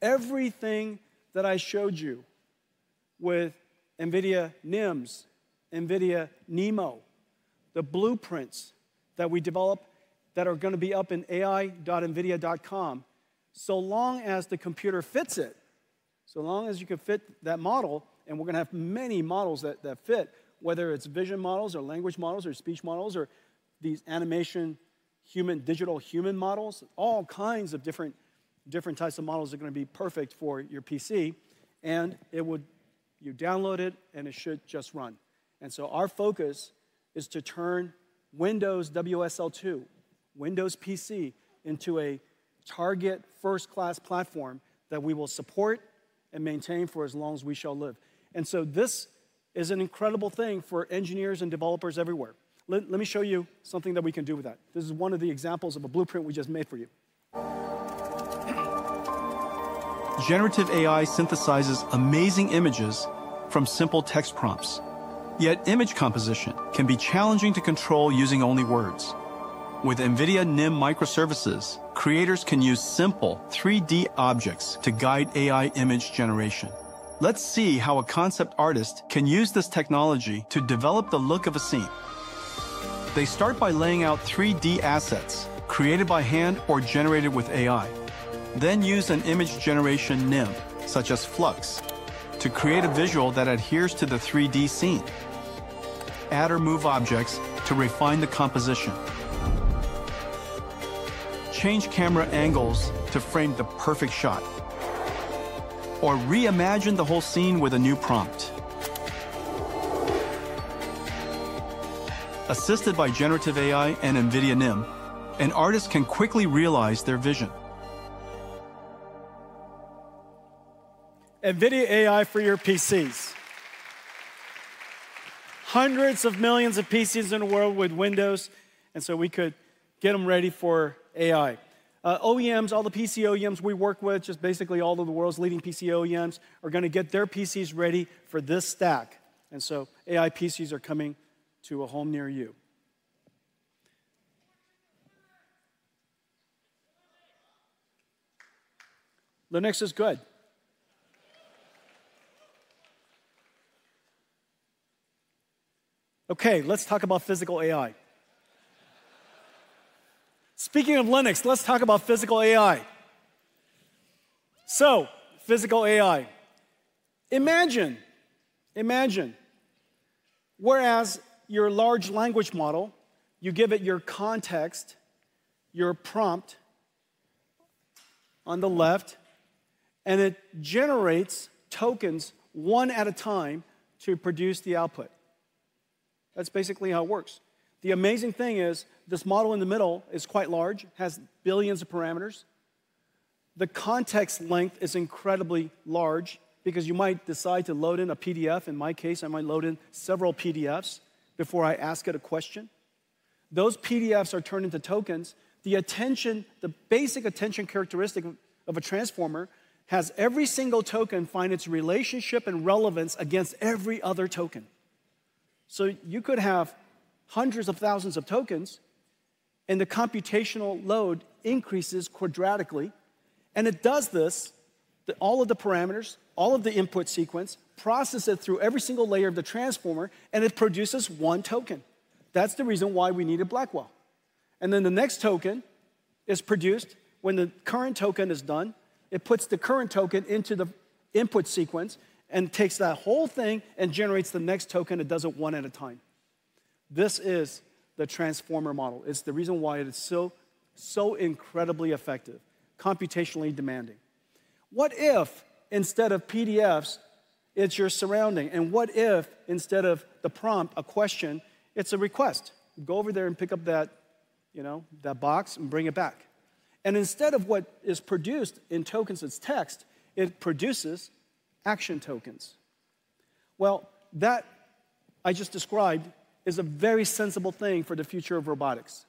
everything that I showed you with NVIDIA NIMs, NVIDIA NeMo, the blueprints that we develop that are going to be up in ai.nvidia.com, so long as the computer fits it, so long as you can fit that model, and we're going to have many models that fit, whether it's vision models or language models or speech models or these animation human digital human models, all kinds of different types of models are going to be perfect for your PC and you download it, and it should just run. So our focus is to turn Windows WSL2, Windows PC, into a target first-class platform that we will support and maintain for as long as we shall live. This is an incredible thing for engineers and developers everywhere. Let me show you something that we can do with that. This is one of the examples of a blueprint we just made for you. Generative AI synthesizes amazing images from simple text prompts. Yet image composition can be challenging to control using only words. With NVIDIA NIM microservices, creators can use simple 3D objects to guide AI image generation. Let's see how a concept artist can use this technology to develop the look of a scene. They start by laying out 3D assets created by hand or generated with AI. Then use an image generation NIM, such as Flux, to create a visual that adheres to the 3D scene. Add or move objects to refine the composition. Change camera angles to frame the perfect shot. Or reimagine the whole scene with a new prompt. Assisted by generative AI and NVIDIA NIM, an artist can quickly realize their vision. NVIDIA AI for your PCs. Hundreds of millions of PCs in the world with Windows, and so we could get them ready for AI. OEMs, all the PC OEMs we work with, just basically all of the world's leading PC OEMs are going to get their PCs ready for this stack. AI PCs are coming to a home near you. Linux is good. Okay, let's talk about physical AI. Speaking of Linux, let's talk about physical AI. Physical AI. Imagine, imagine, whereas your large language model, you give it your context, your prompt on the left, and it generates tokens one at a time to produce the output. That's basically how it works. The amazing thing is this model in the middle is quite large, has billions of parameters. The context length is incredibly large because you might decide to load in a PDF. In my case, I might load in several PDFs before I ask it a question. Those PDFs are turned into tokens. The basic attention characteristic of a Transformer has every single token find its relationship and relevance against every other token. So you could have hundreds of thousands of tokens, and the computational load increases quadratically. And it does this that all of the parameters, all of the input sequence, process it through every single layer of the Transformer, and it produces one token. That's the reason why we need a Blackwell. And then the next token is produced. When the current token is done, it puts the current token into the input sequence and takes that whole thing and generates the next token it does it one at a time. This is the Transformer model. It's the reason why it is so, so incredibly effective, computationally demanding. What if instead of PDFs, it's your surrounding? And what if instead of the prompt, a question, it's a request? Go over there and pick up that box and bring it back. And instead of what is produced in tokens as text, it produces action tokens. Well, that I just described is a very sensible thing for the future of robotics.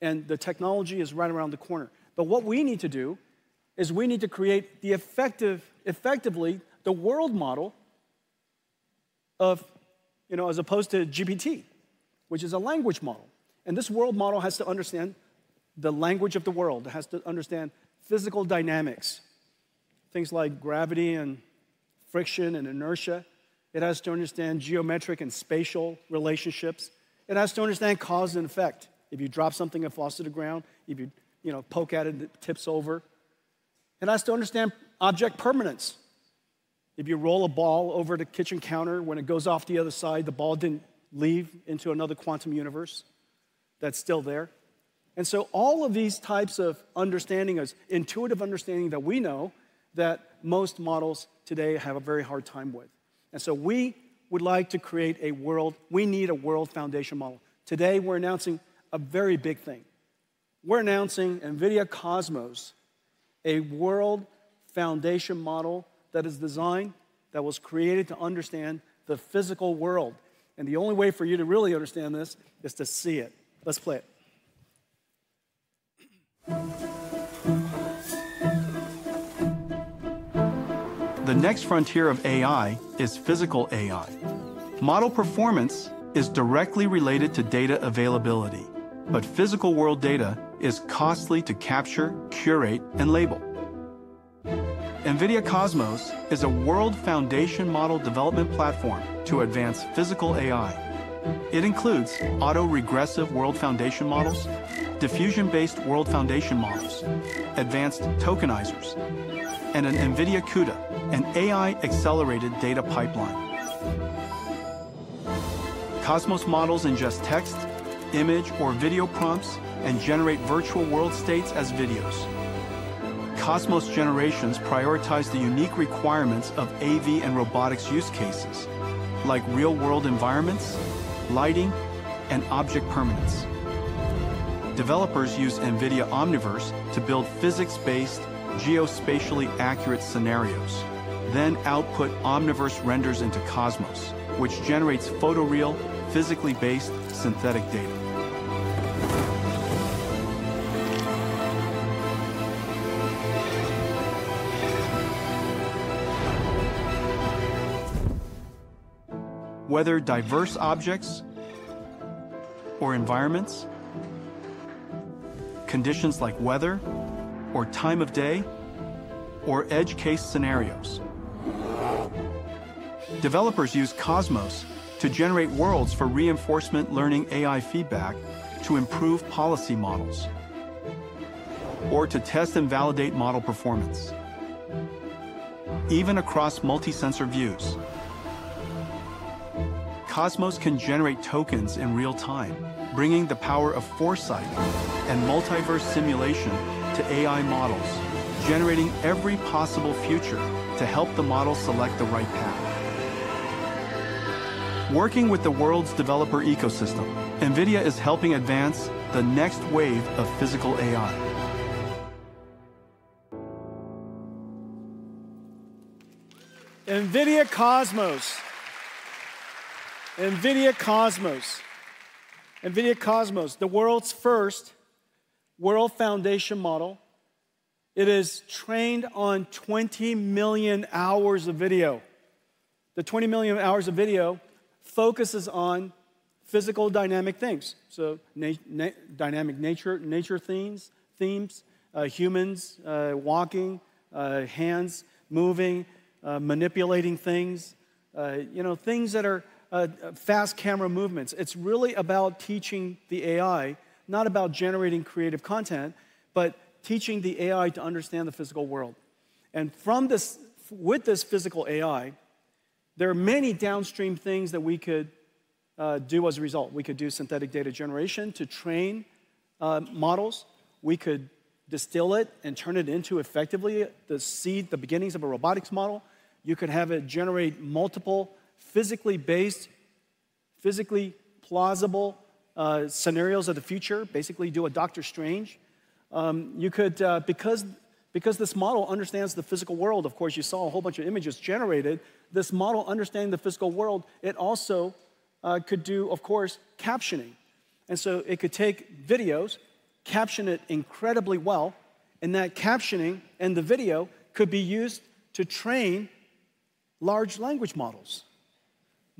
And the technology is right around the corner. But what we need to do is we need to create effectively the world model as opposed to GPT, which is a language model. And this world model has to understand the language of the world. It has to understand physical dynamics, things like gravity and friction and inertia. It has to understand geometric and spatial relationships. It has to understand cause and effect. If you drop something, it falls to the ground. If you poke at it, it tips over. It has to understand object permanence. If you roll a ball over the kitchen counter, when it goes off the other side, the ball didn't leave into another quantum universe. That's still there, and so all of these types of understanding is intuitive understanding that we know that most models today have a very hard time with, and so we would like to create a world. We need a world foundation model. Today, we're announcing a very big thing. We're announcing NVIDIA Cosmos, a world foundation model that is designed, that was created to understand the physical world. And the only way for you to really understand this is to see it. Let's play it. The next frontier of AI is physical AI. Model performance is directly related to data availability, but physical world data is costly to capture, curate, and label. NVIDIA Cosmos is a world foundation model development platform to advance physical AI. It includes autoregressive world foundation models, diffusion-based world foundation models, advanced tokenizers, and an NVIDIA CUDA-accelerated data pipeline. Cosmos models ingest text, image, or video prompts and generate virtual world states as videos. Cosmos generations prioritize the unique requirements of AV and robotics use cases like real-world environments, lighting, and object permanence. Developers use NVIDIA Omniverse to build physics-based, geospatially accurate scenarios, then output Omniverse renders into Cosmos, which generates photorealistic, physically-based synthetic data whether diverse objects or environments, conditions like weather or time of day, or edge case scenarios. Developers use Cosmos to generate worlds for reinforcement learning AI feedback to improve policy models or to test and validate model performance, even across multi-sensor views. Cosmos can generate tokens in real time, bringing the power of foresight and multiverse simulation to AI models, generating every possible future to help the model select the right path. Working with the world's developer ecosystem, NVIDIA is helping advance the next wave of physical AI. NVIDIA Cosmos. NVIDIA Cosmos. NVIDIA Cosmos, the world's first world foundation model. It is trained on 20 million hours of video. The 20 million hours of video focuses on physical dynamic things. So dynamic nature themes, humans walking, hands moving, manipulating things, things that are fast camera movements. It's really about teaching the AI, not about generating creative content, but teaching the AI to understand the physical world. And with this physical AI, there are many downstream things that we could do as a result. We could do synthetic data generation to train models. We could distill it and turn it into effectively the seed, the beginnings of a robotics model. You could have it generate multiple physically-based, physically plausible scenarios of the future, basically do a Dr. Strange. Because this model understands the physical world, of course, you saw a whole bunch of images generated. This model, understanding the physical world, it also could do, of course, captioning. And so it could take videos, caption it incredibly well, and that captioning and the video could be used to train large language models,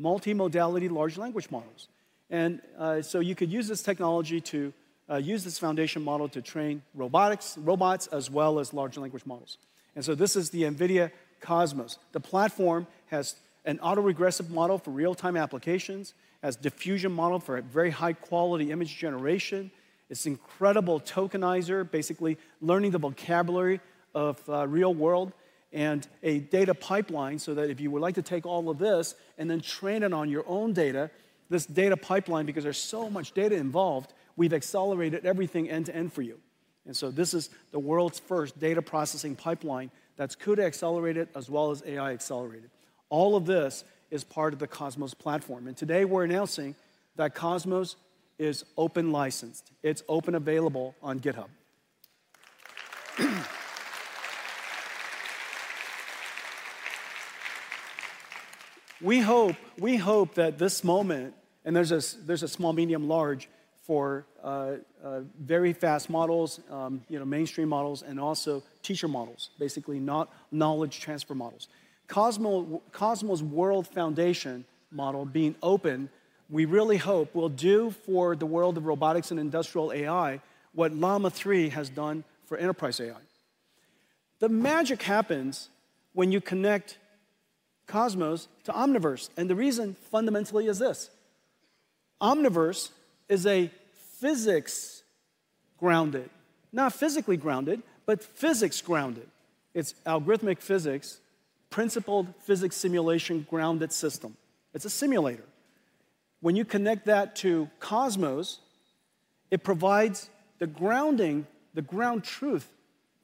multimodality large language models. And so you could use this technology to use this foundation model to train robots as well as large language models. And so this is the NVIDIA Cosmos. The platform has an auto-regressive model for real-time applications, has a diffusion model for very high-quality image generation. It's an incredible tokenizer, basically learning the vocabulary of the real world and a data pipeline so that if you would like to take all of this and then train it on your own data, this data pipeline, because there's so much data involved, we've accelerated everything end to end for you. And so this is the world's first data processing pipeline that's CUDA accelerated as well as AI accelerated. All of this is part of the Cosmos platform. And today we're announcing that Cosmos is open licensed. It's open available on GitHub. We hope that this moment, and there's a small, medium, large for very fast models, mainstream models, and also teacher models, basically not knowledge transfer models. Cosmos World Foundation Model being open, we really hope will do for the world of robotics and industrial AI what Llama 3 has done for enterprise AI. The magic happens when you connect Cosmos to Omniverse. And the reason fundamentally is this. Omniverse is a physics-grounded, not physically grounded, but physics-grounded. It's algorithmic physics, principled physics simulation grounded system. It's a simulator. When you connect that to Cosmos, it provides the grounding, the ground truth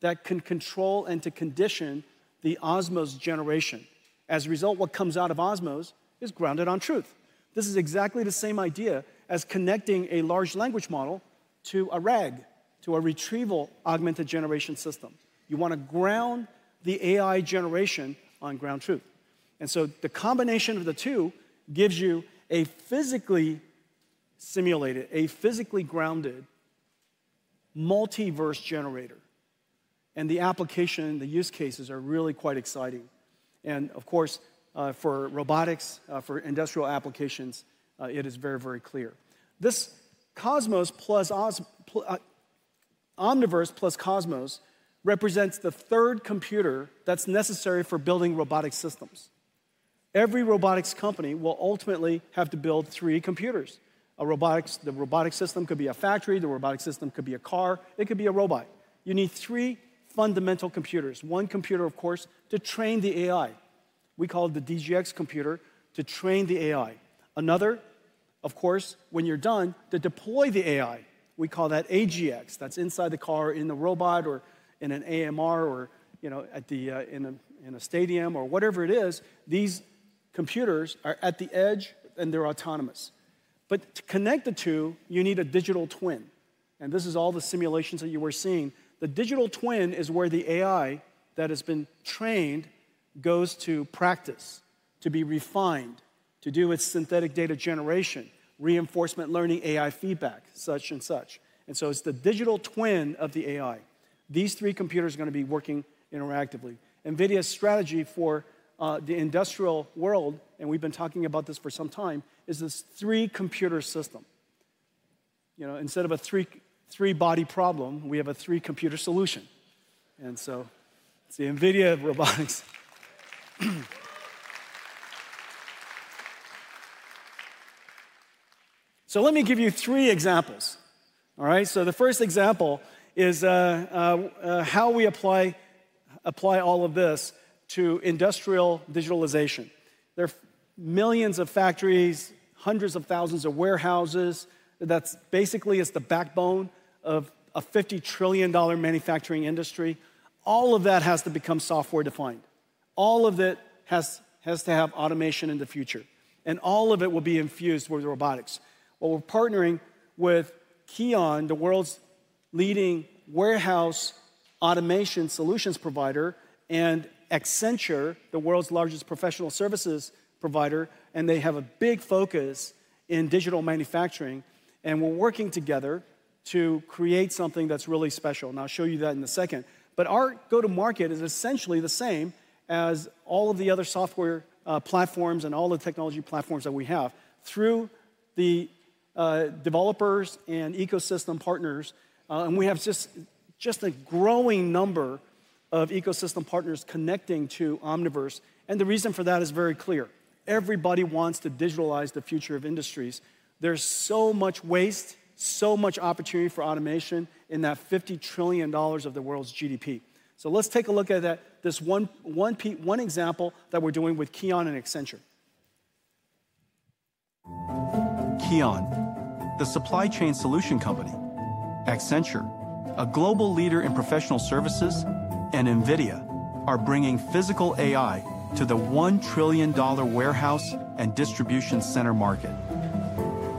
that can control and to condition the Cosmos generation. As a result, what comes out of Cosmos is grounded in truth. This is exactly the same idea as connecting a large language model to a RAG, to a retrieval augmented generation system. You want to ground the AI generation on ground truth. And so the combination of the two gives you a physically simulated, a physically grounded multiverse generator. And the application, the use cases are really quite exciting. And of course, for robotics, for industrial applications, it is very, very clear. This Cosmos plus Omniverse plus Cosmos represents the third computer that's necessary for building robotic systems. Every robotics company will ultimately have to build three computers. The robotic system could be a factory. The robotic system could be a car. It could be a robot. You need three fundamental computers. One computer, of course, to train the AI. We call it the DGX computer to train the AI. Another, of course, when you're done to deploy the AI, we call that AGX. That's inside the car, in the robot, or in an AMR, or at the stadium, or whatever it is. These computers are at the edge and they're autonomous. But to connect the two, you need a digital twin, and this is all the simulations that you were seeing. The digital twin is where the AI that has been trained goes to practice, to be refined, to do its synthetic data generation, reinforcement learning, AI feedback, such and such. And so it's the digital twin of the AI. These three computers are going to be working interactively. NVIDIA's strategy for the industrial world, and we've been talking about this for some time, is this three computer system. Instead of a three-body problem, we have a three-computer solution. And so it's the NVIDIA of robotics. So let me give you three examples. All right? So the first example is how we apply all of this to industrial digitalization. There are millions of factories, hundreds of thousands of warehouses. That's basically the backbone of a $50 trillion manufacturing industry. All of that has to become software-defined. All of it has to have automation in the future. All of it will be infused with robotics. We're partnering with KION, the world's leading warehouse automation solutions provider, and Accenture, the world's largest professional services provider. They have a big focus in digital manufacturing. We're working together to create something that's really special. I'll show you that in a second. Our go-to-market is essentially the same as all of the other software platforms and all the technology platforms that we have through the developers and ecosystem partners. We have just a growing number of ecosystem partners connecting to Omniverse. The reason for that is very clear. Everybody wants to digitalize the future of industries. There's so much waste, so much opportunity for automation in that $50 trillion of the world's GDP. Let's take a look at this one example that we're doing with KION and Accenture. KION, the supply chain solution company. Accenture, a global leader in professional services, and NVIDIA are bringing physical AI to the $1 trillion warehouse and distribution center market.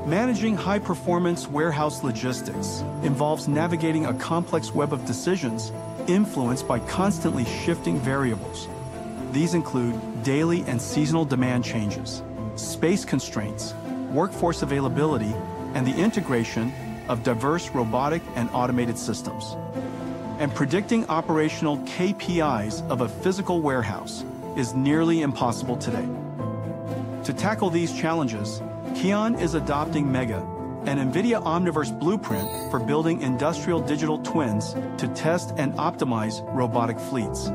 Managing high-performance warehouse logistics involves navigating a complex web of decisions influenced by constantly shifting variables. These include daily and seasonal demand changes, space constraints, workforce availability, and the integration of diverse robotic and automated systems, and predicting operational KPIs of a physical warehouse is nearly impossible today. To tackle these challenges, KION is adopting Mega, an NVIDIA Omniverse blueprint for building industrial digital twins to test and optimize robotic fleets.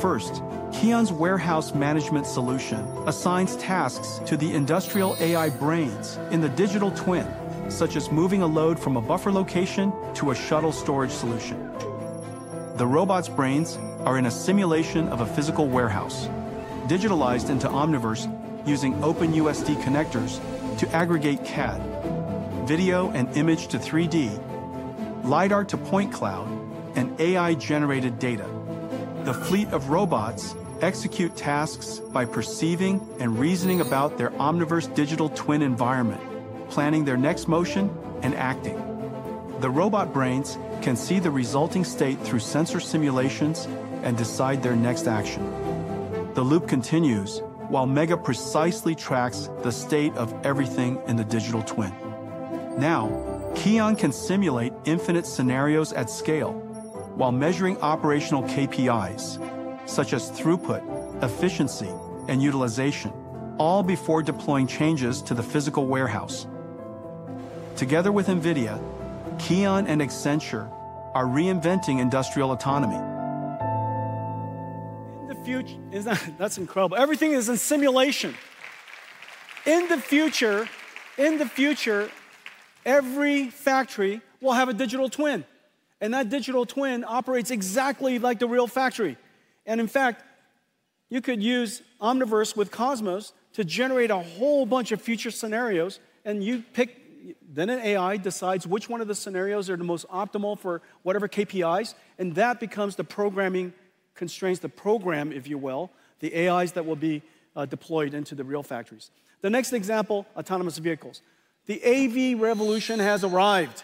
First, KION's warehouse management solution assigns tasks to the industrial AI brains in the digital twin, such as moving a load from a buffer location to a shuttle storage solution. The robots' brains are in a simulation of a physical warehouse, digitalized into Omniverse using OpenUSD connectors to aggregate CAD, video and image to 3D, LiDAR to point cloud, and AI-generated data. The fleet of robots execute tasks by perceiving and reasoning about their Omniverse digital twin environment, planning their next motion and acting. The robot brains can see the resulting state through sensor simulations and decide their next action. The loop continues while MEGA precisely tracks the state of everything in the digital twin. Now, KION can simulate infinite scenarios at scale while measuring operational KPIs, such as throughput, efficiency, and utilization, all before deploying changes to the physical warehouse. Together with NVIDIA, KION and Accenture are reinventing industrial autonomy. In the future, that's incredible. Everything is in simulation. In the future, every factory will have a digital twin and that digital twin operates exactly like the real factory. In fact, you could use Omniverse with Cosmos to generate a whole bunch of future scenarios. And then an AI decides which one of the scenarios are the most optimal for whatever KPIs. And that becomes the programming constraints, the program, if you will, the AIs that will be deployed into the real factories. The next example, autonomous vehicles. The AV revolution has arrived.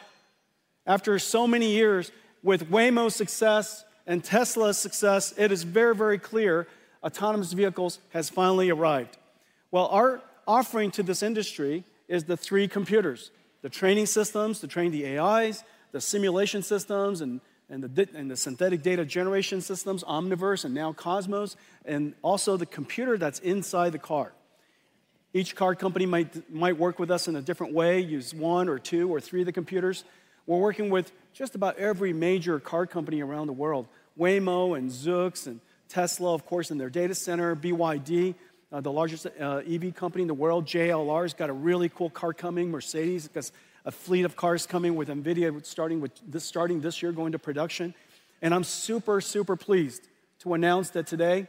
After so many years with Waymo's success and Tesla's success, it is very, very clear autonomous vehicles have finally arrived. Our offering to this industry is the three computers: the training systems to train the AIs, the simulation systems, and the synthetic data generation systems, Omniverse and now Cosmos, and also the computer that's inside the car. Each car company might work with us in a different way, use one or two or three of the computers. We're working with just about every major car company around the world: Waymo and Zoox and Tesla, of course, in their data center. BYD, the largest EV company in the world. JLR has got a really cool car coming. Mercedes has a fleet of cars coming with NVIDIA, starting this year going to production. And I'm super, super pleased to announce that today,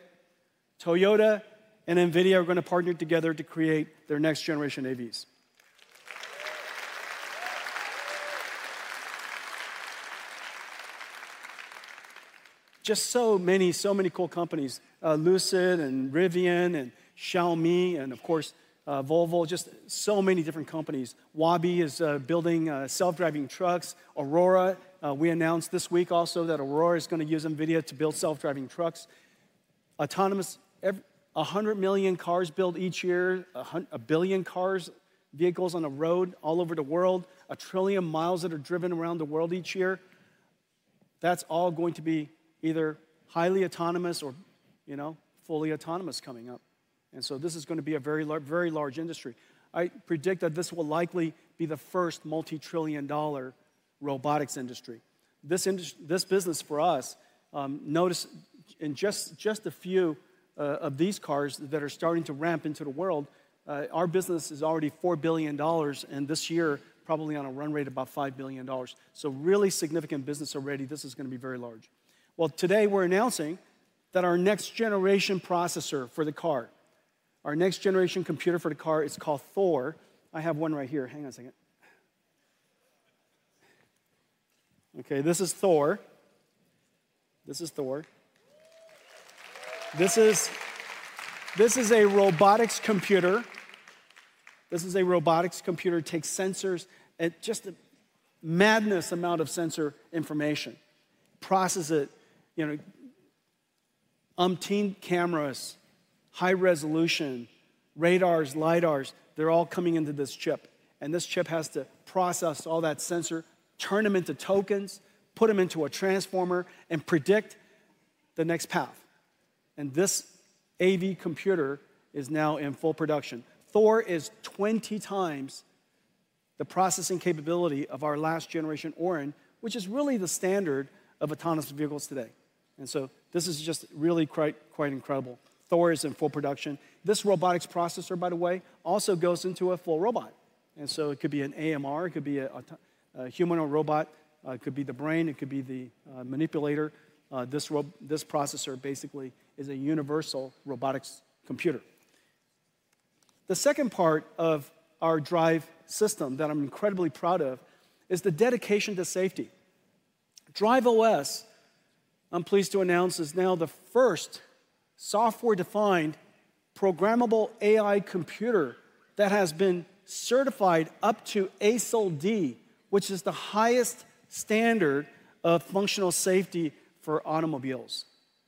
Toyota and NVIDIA are going to partner together to create their next generation AVs. Just so many, so many cool companies: Lucid and Rivian and Xiaomi and, of course, Volvo. Just so many different companies. Waabi is building self-driving trucks. Aurora, we announced this week also that Aurora is going to use NVIDIA to build self-driving trucks. Autonomous, 100 million cars built each year, a billion cars, vehicles on the road all over the world, a trillion miles that are driven around the world each year. That's all going to be either highly autonomous or fully autonomous coming up, and so this is going to be a very large industry. I predict that this will likely be the first multi-trillion-dollar robotics industry. This business for us, notice in just a few of these cars that are starting to ramp into the world, our business is already $4 billion, and this year, probably on a run rate of about $5 billion. So really significant business already. This is going to be very large. Well, today we're announcing that our next generation processor for the car, our next generation computer for the car, it's called Thor. I have one right here. Hang on a second. Okay, this is Thor. This is Thor. This is a robotics computer. This is a robotics computer. It takes sensors, just a madness amount of sensor information, process it, umpteen cameras, high resolution, radars, LiDARs. They're all coming into this chip, and this chip has to process all that sensor, turn them into tokens, put them into a transformer, and predict the next path, and this AV computer is now in full production. Thor is 20 times the processing capability of our last generation Orin, which is really the standard of autonomous vehicles today, and so this is just really quite incredible. Thor is in full production. This robotics processor, by the way, also goes into a full robot, and so it could be an AMR, it could be a human or robot, it could be the brain, it could be the manipulator. This processor basically is a universal robotics computer. The second part of our drive system that I'm incredibly proud of is the dedication to safety. Drive OS, I'm pleased to announce, is now the first software-defined programmable AI computer that has been certified up to ASIL-D, which is the highest standard of functional safety for automobiles,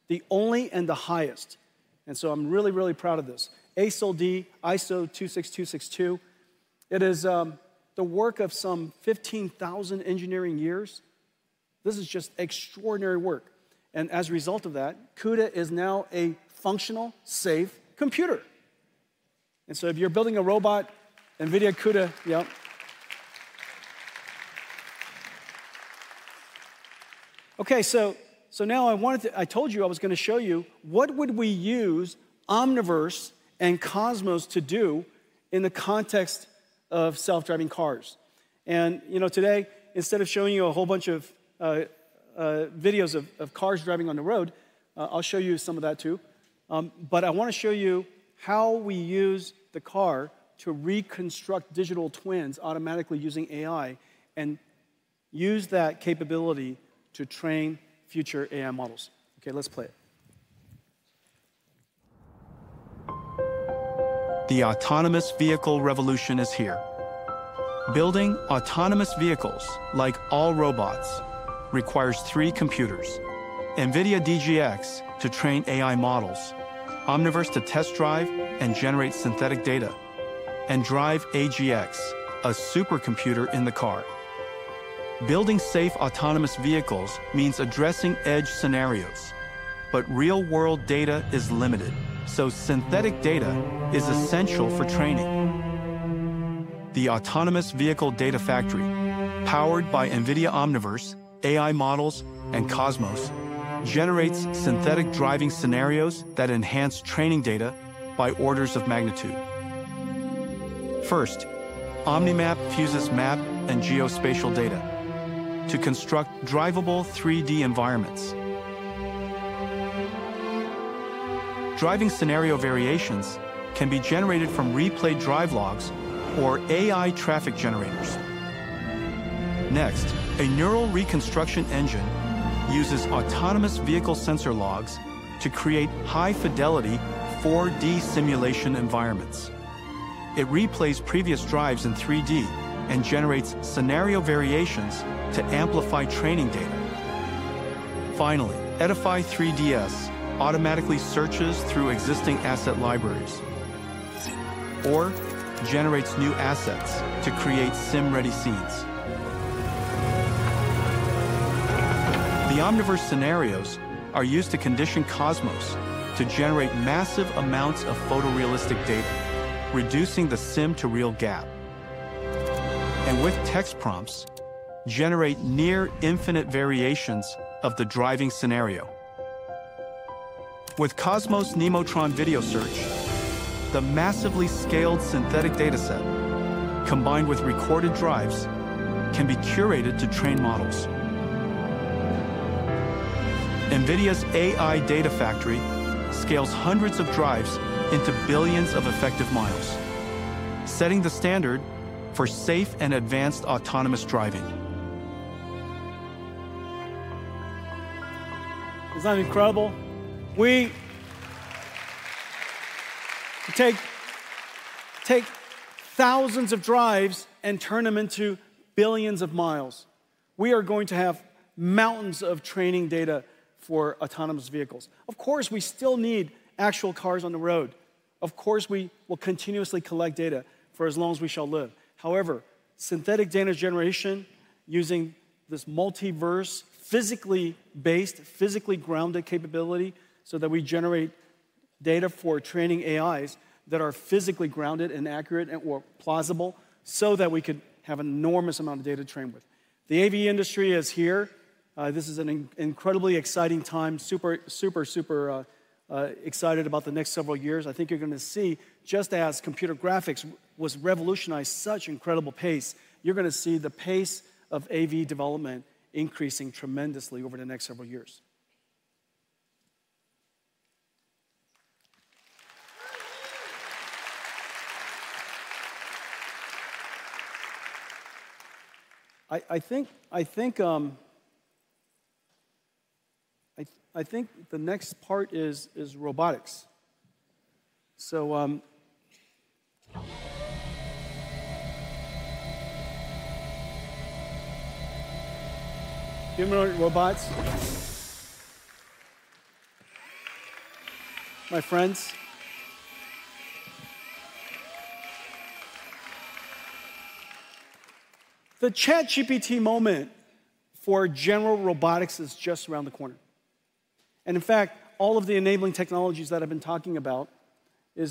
the only and the highest, and so I'm really, really proud of this. ASIL-D, ISO 26262. It is the work of some 15,000 engineering years. This is just extraordinary work, and as a result of that, CUDA is now a functional, safe computer, and so if you're building a robot, NVIDIA CUDA, yep. Okay, so now I told you I was going to show you what would we use Omniverse and Cosmos to do in the context of self-driving cars. And today, instead of showing you a whole bunch of videos of cars driving on the road, I'll show you some of that too. But I want to show you how we use the car to reconstruct digital twins automatically using AI and use that capability to train future AI models. Okay, let's play it. The autonomous vehicle revolution is here. Building autonomous vehicles like all robots requires three computers: NVIDIA DGX to train AI models, Omniverse to test drive and generate synthetic data, and DRIVE AGX, a supercomputer in the car. Building safe autonomous vehicles means addressing edge scenarios. But real-world data is limited, so synthetic data is essential for training. The autonomous vehicle data factory, powered by NVIDIA Omniverse, AI models, and Cosmos, generates synthetic driving scenarios that enhance training data by orders of magnitude. First, Omnimap fuses map and geospatial data to construct drivable 3D environments. Driving scenario variations can be generated from replay drive logs or AI traffic generators. Next, a neural reconstruction engine uses autonomous vehicle sensor logs to create high-fidelity 4D simulation environments. It replays previous drives in 3D and generates scenario variations to amplify training data. Finally, Edify 3Ds automatically searches through existing asset libraries or generates new assets to create Sim-ready scenes. The Omniverse scenarios are used to condition Cosmos to generate massive amounts of photorealistic data, reducing the Sim-to-Real gap, and with text prompts, generate near-infinite variations of the driving scenario. With Cosmos Nemotron video search, the massively scaled synthetic dataset combined with recorded drives can be curated to train models. NVIDIA's AI data factory scales hundreds of drives into billions of effective miles, setting the standard for safe and advanced autonomous driving. Isn't that incredible? We take thousands of drives and turn them into billions of miles. We are going to have mountains of training data for autonomous vehicles. Of course, we still need actual cars on the road. Of course, we will continuously collect data for as long as we shall live. However, synthetic data generation using this multiverse, physically based, physically grounded capability so that we generate data for training AIs that are physically grounded and accurate and/or plausible so that we could have an enormous amount of data to train with. The AV industry is here. This is an incredibly exciting time. Super, super, super excited about the next several years. I think you're going to see, just as computer graphics was revolutionized at such incredible pace, you're going to see the pace of AV development increasing tremendously over the next several years. I think the next part is robotics. So humanoid robots, my friends. The ChatGPT moment for general robotics is just around the corner. In fact, all of the enabling technologies that I've been talking about are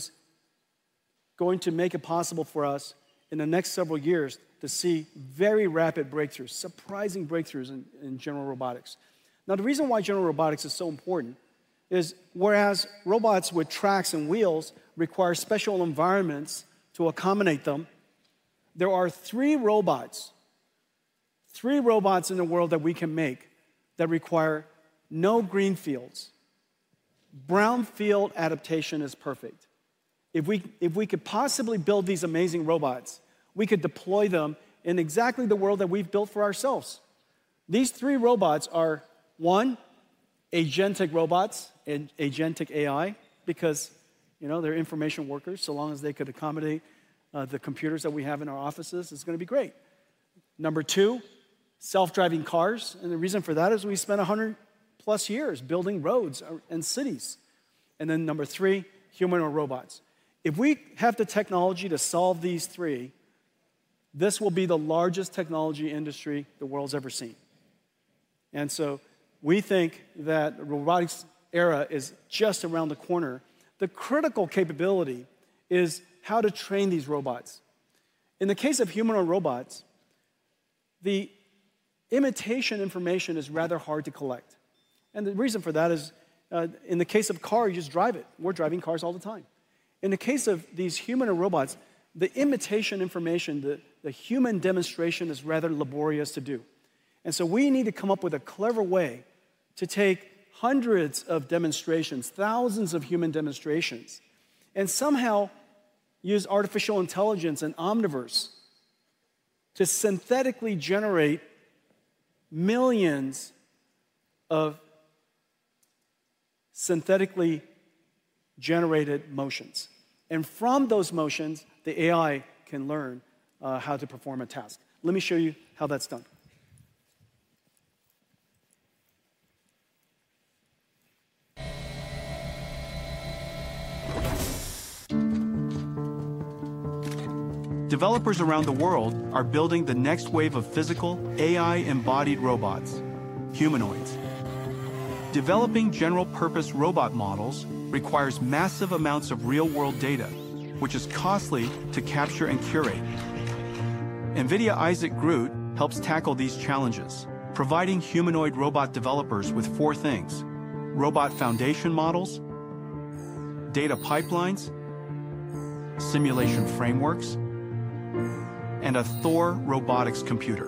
going to make it possible for us in the next several years to see very rapid breakthroughs, surprising breakthroughs in general robotics. Now, the reason why general robotics is so important is whereas robots with tracks and wheels require special environments to accommodate them, there are three robots, three robots in the world that we can make that require no greenfield. Brownfield adaptation is perfect. If we could possibly build these amazing robots, we could deploy them in exactly the world that we've built for ourselves. These three robots are, one, agentic robots and agentic AI because they're information workers. So long as they could accommodate the computers that we have in our offices, it's going to be great. Number two, self-driving cars. The reason for that is we spent 100 plus years building roads and cities. Then number three, humanoid robots. If we have the technology to solve these three, this will be the largest technology industry the world's ever seen. So we think that the robotics era is just around the corner. The critical capability is how to train these robots. In the case of humanoid robots, the imitation information is rather hard to collect. The reason for that is in the case of cars, you just drive it. We're driving cars all the time. In the case of these humanoid robots, the imitation information, the human demonstration is rather laborious to do. And so we need to come up with a clever way to take hundreds of demonstrations, thousands of human demonstrations, and somehow use artificial intelligence and Omniverse to synthetically generate millions of synthetically generated motions. And from those motions, the AI can learn how to perform a task. Let me show you how that's done. Developers around the world are building the next wave of physical AI-embodied robots, humanoids. Developing general-purpose robot models requires massive amounts of real-world data, which is costly to capture and curate. NVIDIA Isaac GR00T helps tackle these challenges, providing humanoid robot developers with four things: robot foundation models, data pipelines, simulation frameworks, and a Thor robotics computer.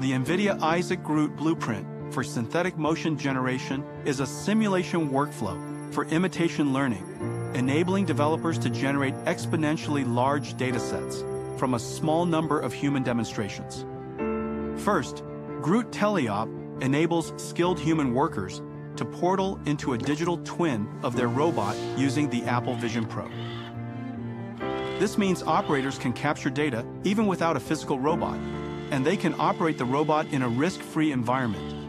The NVIDIA Isaac GR00T blueprint for synthetic motion generation is a simulation workflow for imitation learning, enabling developers to generate exponentially large datasets from a small number of human demonstrations. First, GR00T Teleop enables skilled human workers to portal into a digital twin of their robot using the Apple Vision Pro. This means operators can capture data even without a physical robot, and they can operate the robot in a risk-free environment,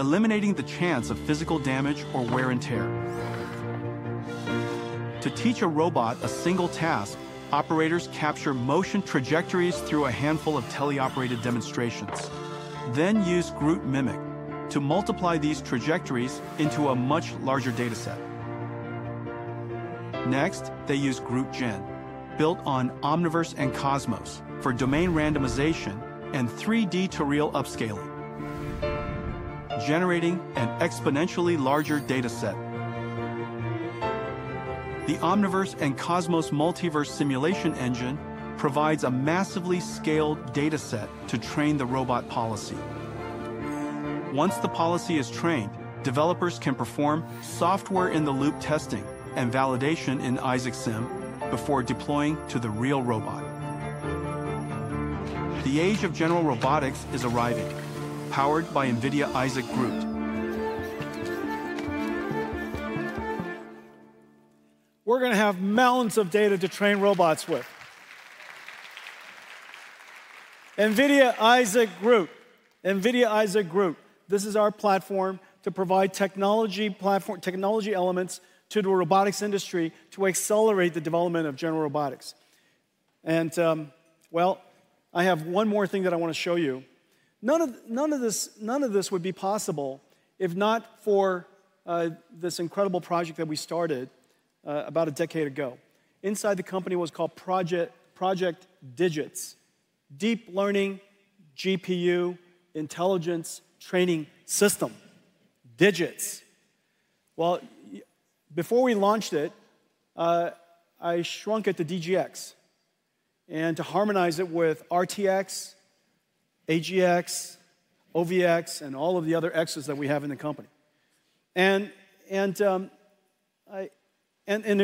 eliminating the chance of physical damage or wear and tear. To teach a robot a single task, operators capture motion trajectories through a handful of teleoperated demonstrations, then use GR00T Mimic to multiply these trajectories into a much larger dataset. Next, they use GR00T Gen, built on Omniverse and Cosmos for domain randomization and 3D to real upscaling, generating an exponentially larger dataset. The Omniverse and Cosmos multiverse simulation engine provides a massively scaled dataset to train the robot policy. Once the policy is trained, developers can perform software-in-the-loop testing and validation in Isaac Sim before deploying to the real robot. The age of general robotics is arriving, powered by NVIDIA Isaac GR00T. We're going to have mountains of data to train robots with. NVIDIA Isaac GR00T. NVIDIA Isaac GR00T. This is our platform to provide technology elements to the robotics industry to accelerate the development of general robotics. And well, I have one more thing that I want to show you. None of this would be possible if not for this incredible project that we started about a decade ago. Inside the company was called Project DIGITS, Deep Learning GPU Intelligence Training System, DIGITS. Well, before we launched it, I shrunk it to DGX and to harmonize it with RTX, AGX, OVX, and all of the other Xs that we have in the company. And it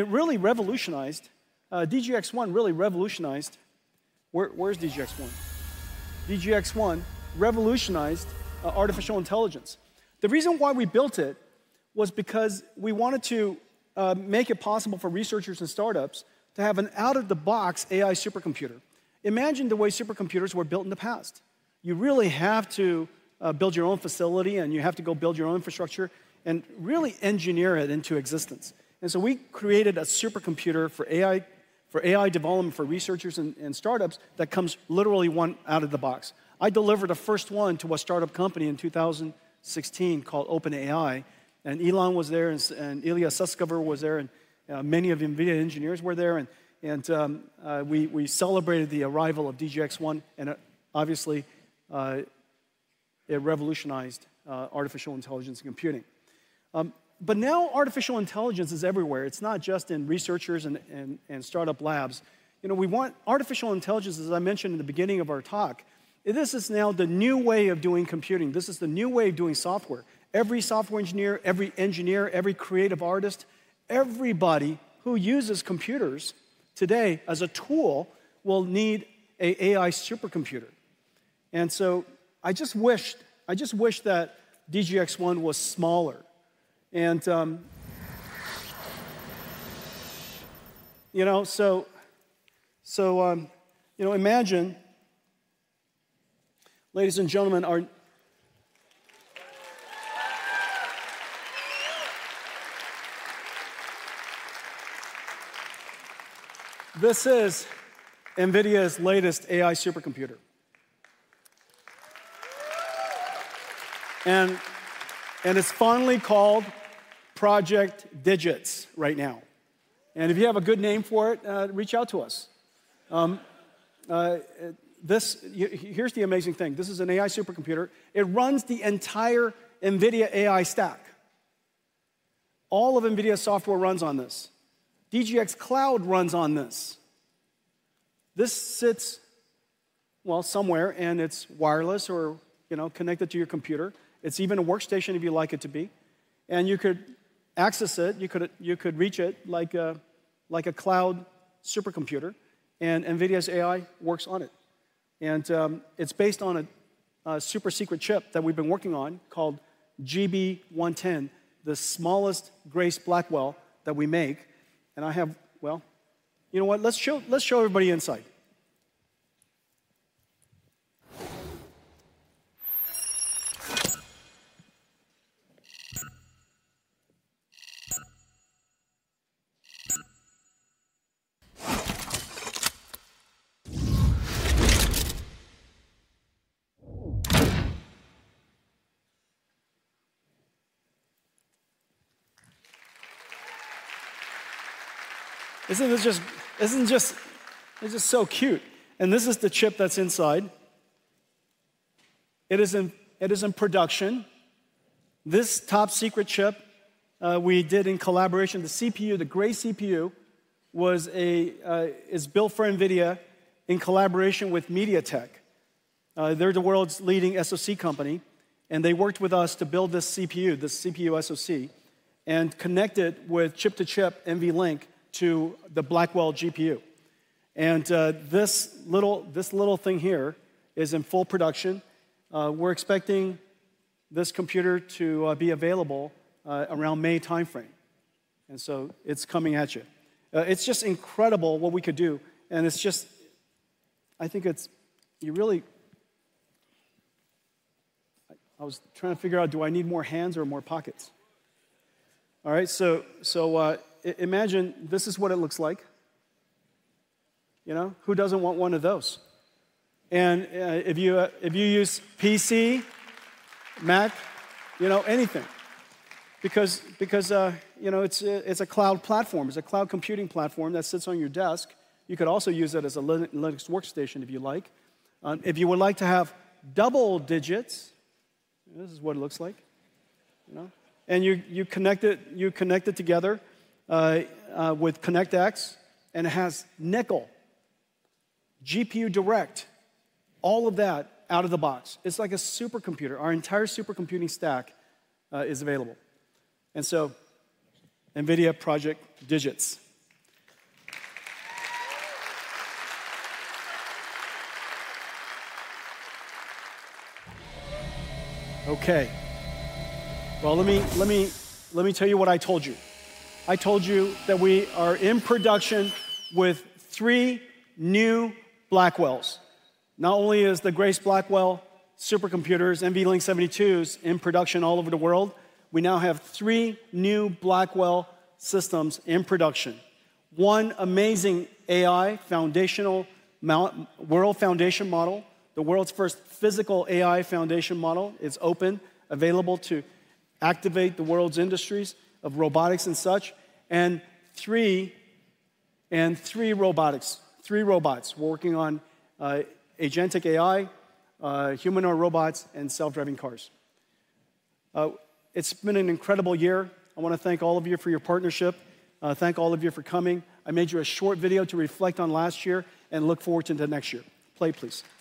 really revolutionized. DGX-1 really revolutionized. Where's DGX-1? DGX-1 revolutionized artificial intelligence. The reason why we built it was because we wanted to make it possible for researchers and startups to have an out-of-the-box AI supercomputer. Imagine the way supercomputers were built in the past. You really have to build your own facility, and you have to go build your own infrastructure and really engineer it into existence. And so we created a supercomputer for AI development for researchers and startups that comes literally one out of the box. I delivered a first one to a startup company in 2016 called OpenAI. And Elon was there, and Ilya Sutskever was there, and many of NVIDIA engineers were there. And we celebrated the arrival of DGX1, and obviously, it revolutionized artificial intelligence and computing. But now artificial intelligence is everywhere. It's not just in researchers and startup labs. We want artificial intelligence, as I mentioned in the beginning of our talk. This is now the new way of doing computing. This is the new way of doing software. Every software engineer, every engineer, every creative artist, everybody who uses computers today as a tool will need an AI supercomputer. And so I just wished that DGX-1 was smaller. And so imagine, ladies and gentlemen, this is NVIDIA's latest AI supercomputer. And it's finally called Project DIGITS right now. And if you have a good name for it, reach out to us. Here's the amazing thing. This is an AI supercomputer. It runs the entire NVIDIA AI stack. All of NVIDIA's software runs on this. DGX Cloud runs on this. This sits, well, somewhere, and it's wireless or connected to your computer. It's even a workstation if you like it to be. And you could access it. You could reach it like a cloud supercomputer. And NVIDIA's AI works on it. And it's based on a super secret chip that we've been working on called GB110, the smallest Grace Blackwell that we make. And I have, well, you know what? Let's show everybody inside. Isn't this just so cute? And this is the chip that's inside. It is in production. This top secret chip we did in collaboration, the CPU, the Grace CPU, is built for NVIDIA in collaboration with MediaTek. They're the world's leading SoC company, and they worked with us to build this CPU, this CPU SoC, and connect it with chip-to-chip NVLink to the Blackwell GPU. And this little thing here is in full production. We're expecting this computer to be available around May timeframe. And so it's coming at you. It's just incredible what we could do. And it's just, I think it's really, I was trying to figure out, do I need more hands or more pockets? All right. So imagine this is what it looks like. Who doesn't want one of those? And if you use PC, Mac, anything, because it's a cloud platform. It's a cloud computing platform that sits on your desk. You could also use it as a Linux workstation if you like. If you would like to have double DIGITS, this is what it looks like. And you connect it together with ConnectX, and it has NVLink, GPUDirect, all of that out of the box. It's like a supercomputer. Our entire supercomputing stack is available. And so NVIDIA Project DIGITS. Okay. Well, let me tell you what I told you. I told you that we are in production with three new Blackwells. Not only is the Grace Blackwell supercomputers, NVL72s in production all over the world, we now have three new Blackwell systems in production. One amazing AI World Foundation Model, the world's first Physical AI foundation model, is open, available to activate the world's industries of robotics and such, and three robotics, three robots working on Agentic AI, humanoid robots, and self-driving cars. It's been an incredible year. I want to thank all of you for your partnership. Thank all of you for coming. I made you a short video to reflect on last year and look forward to next year. Play, please.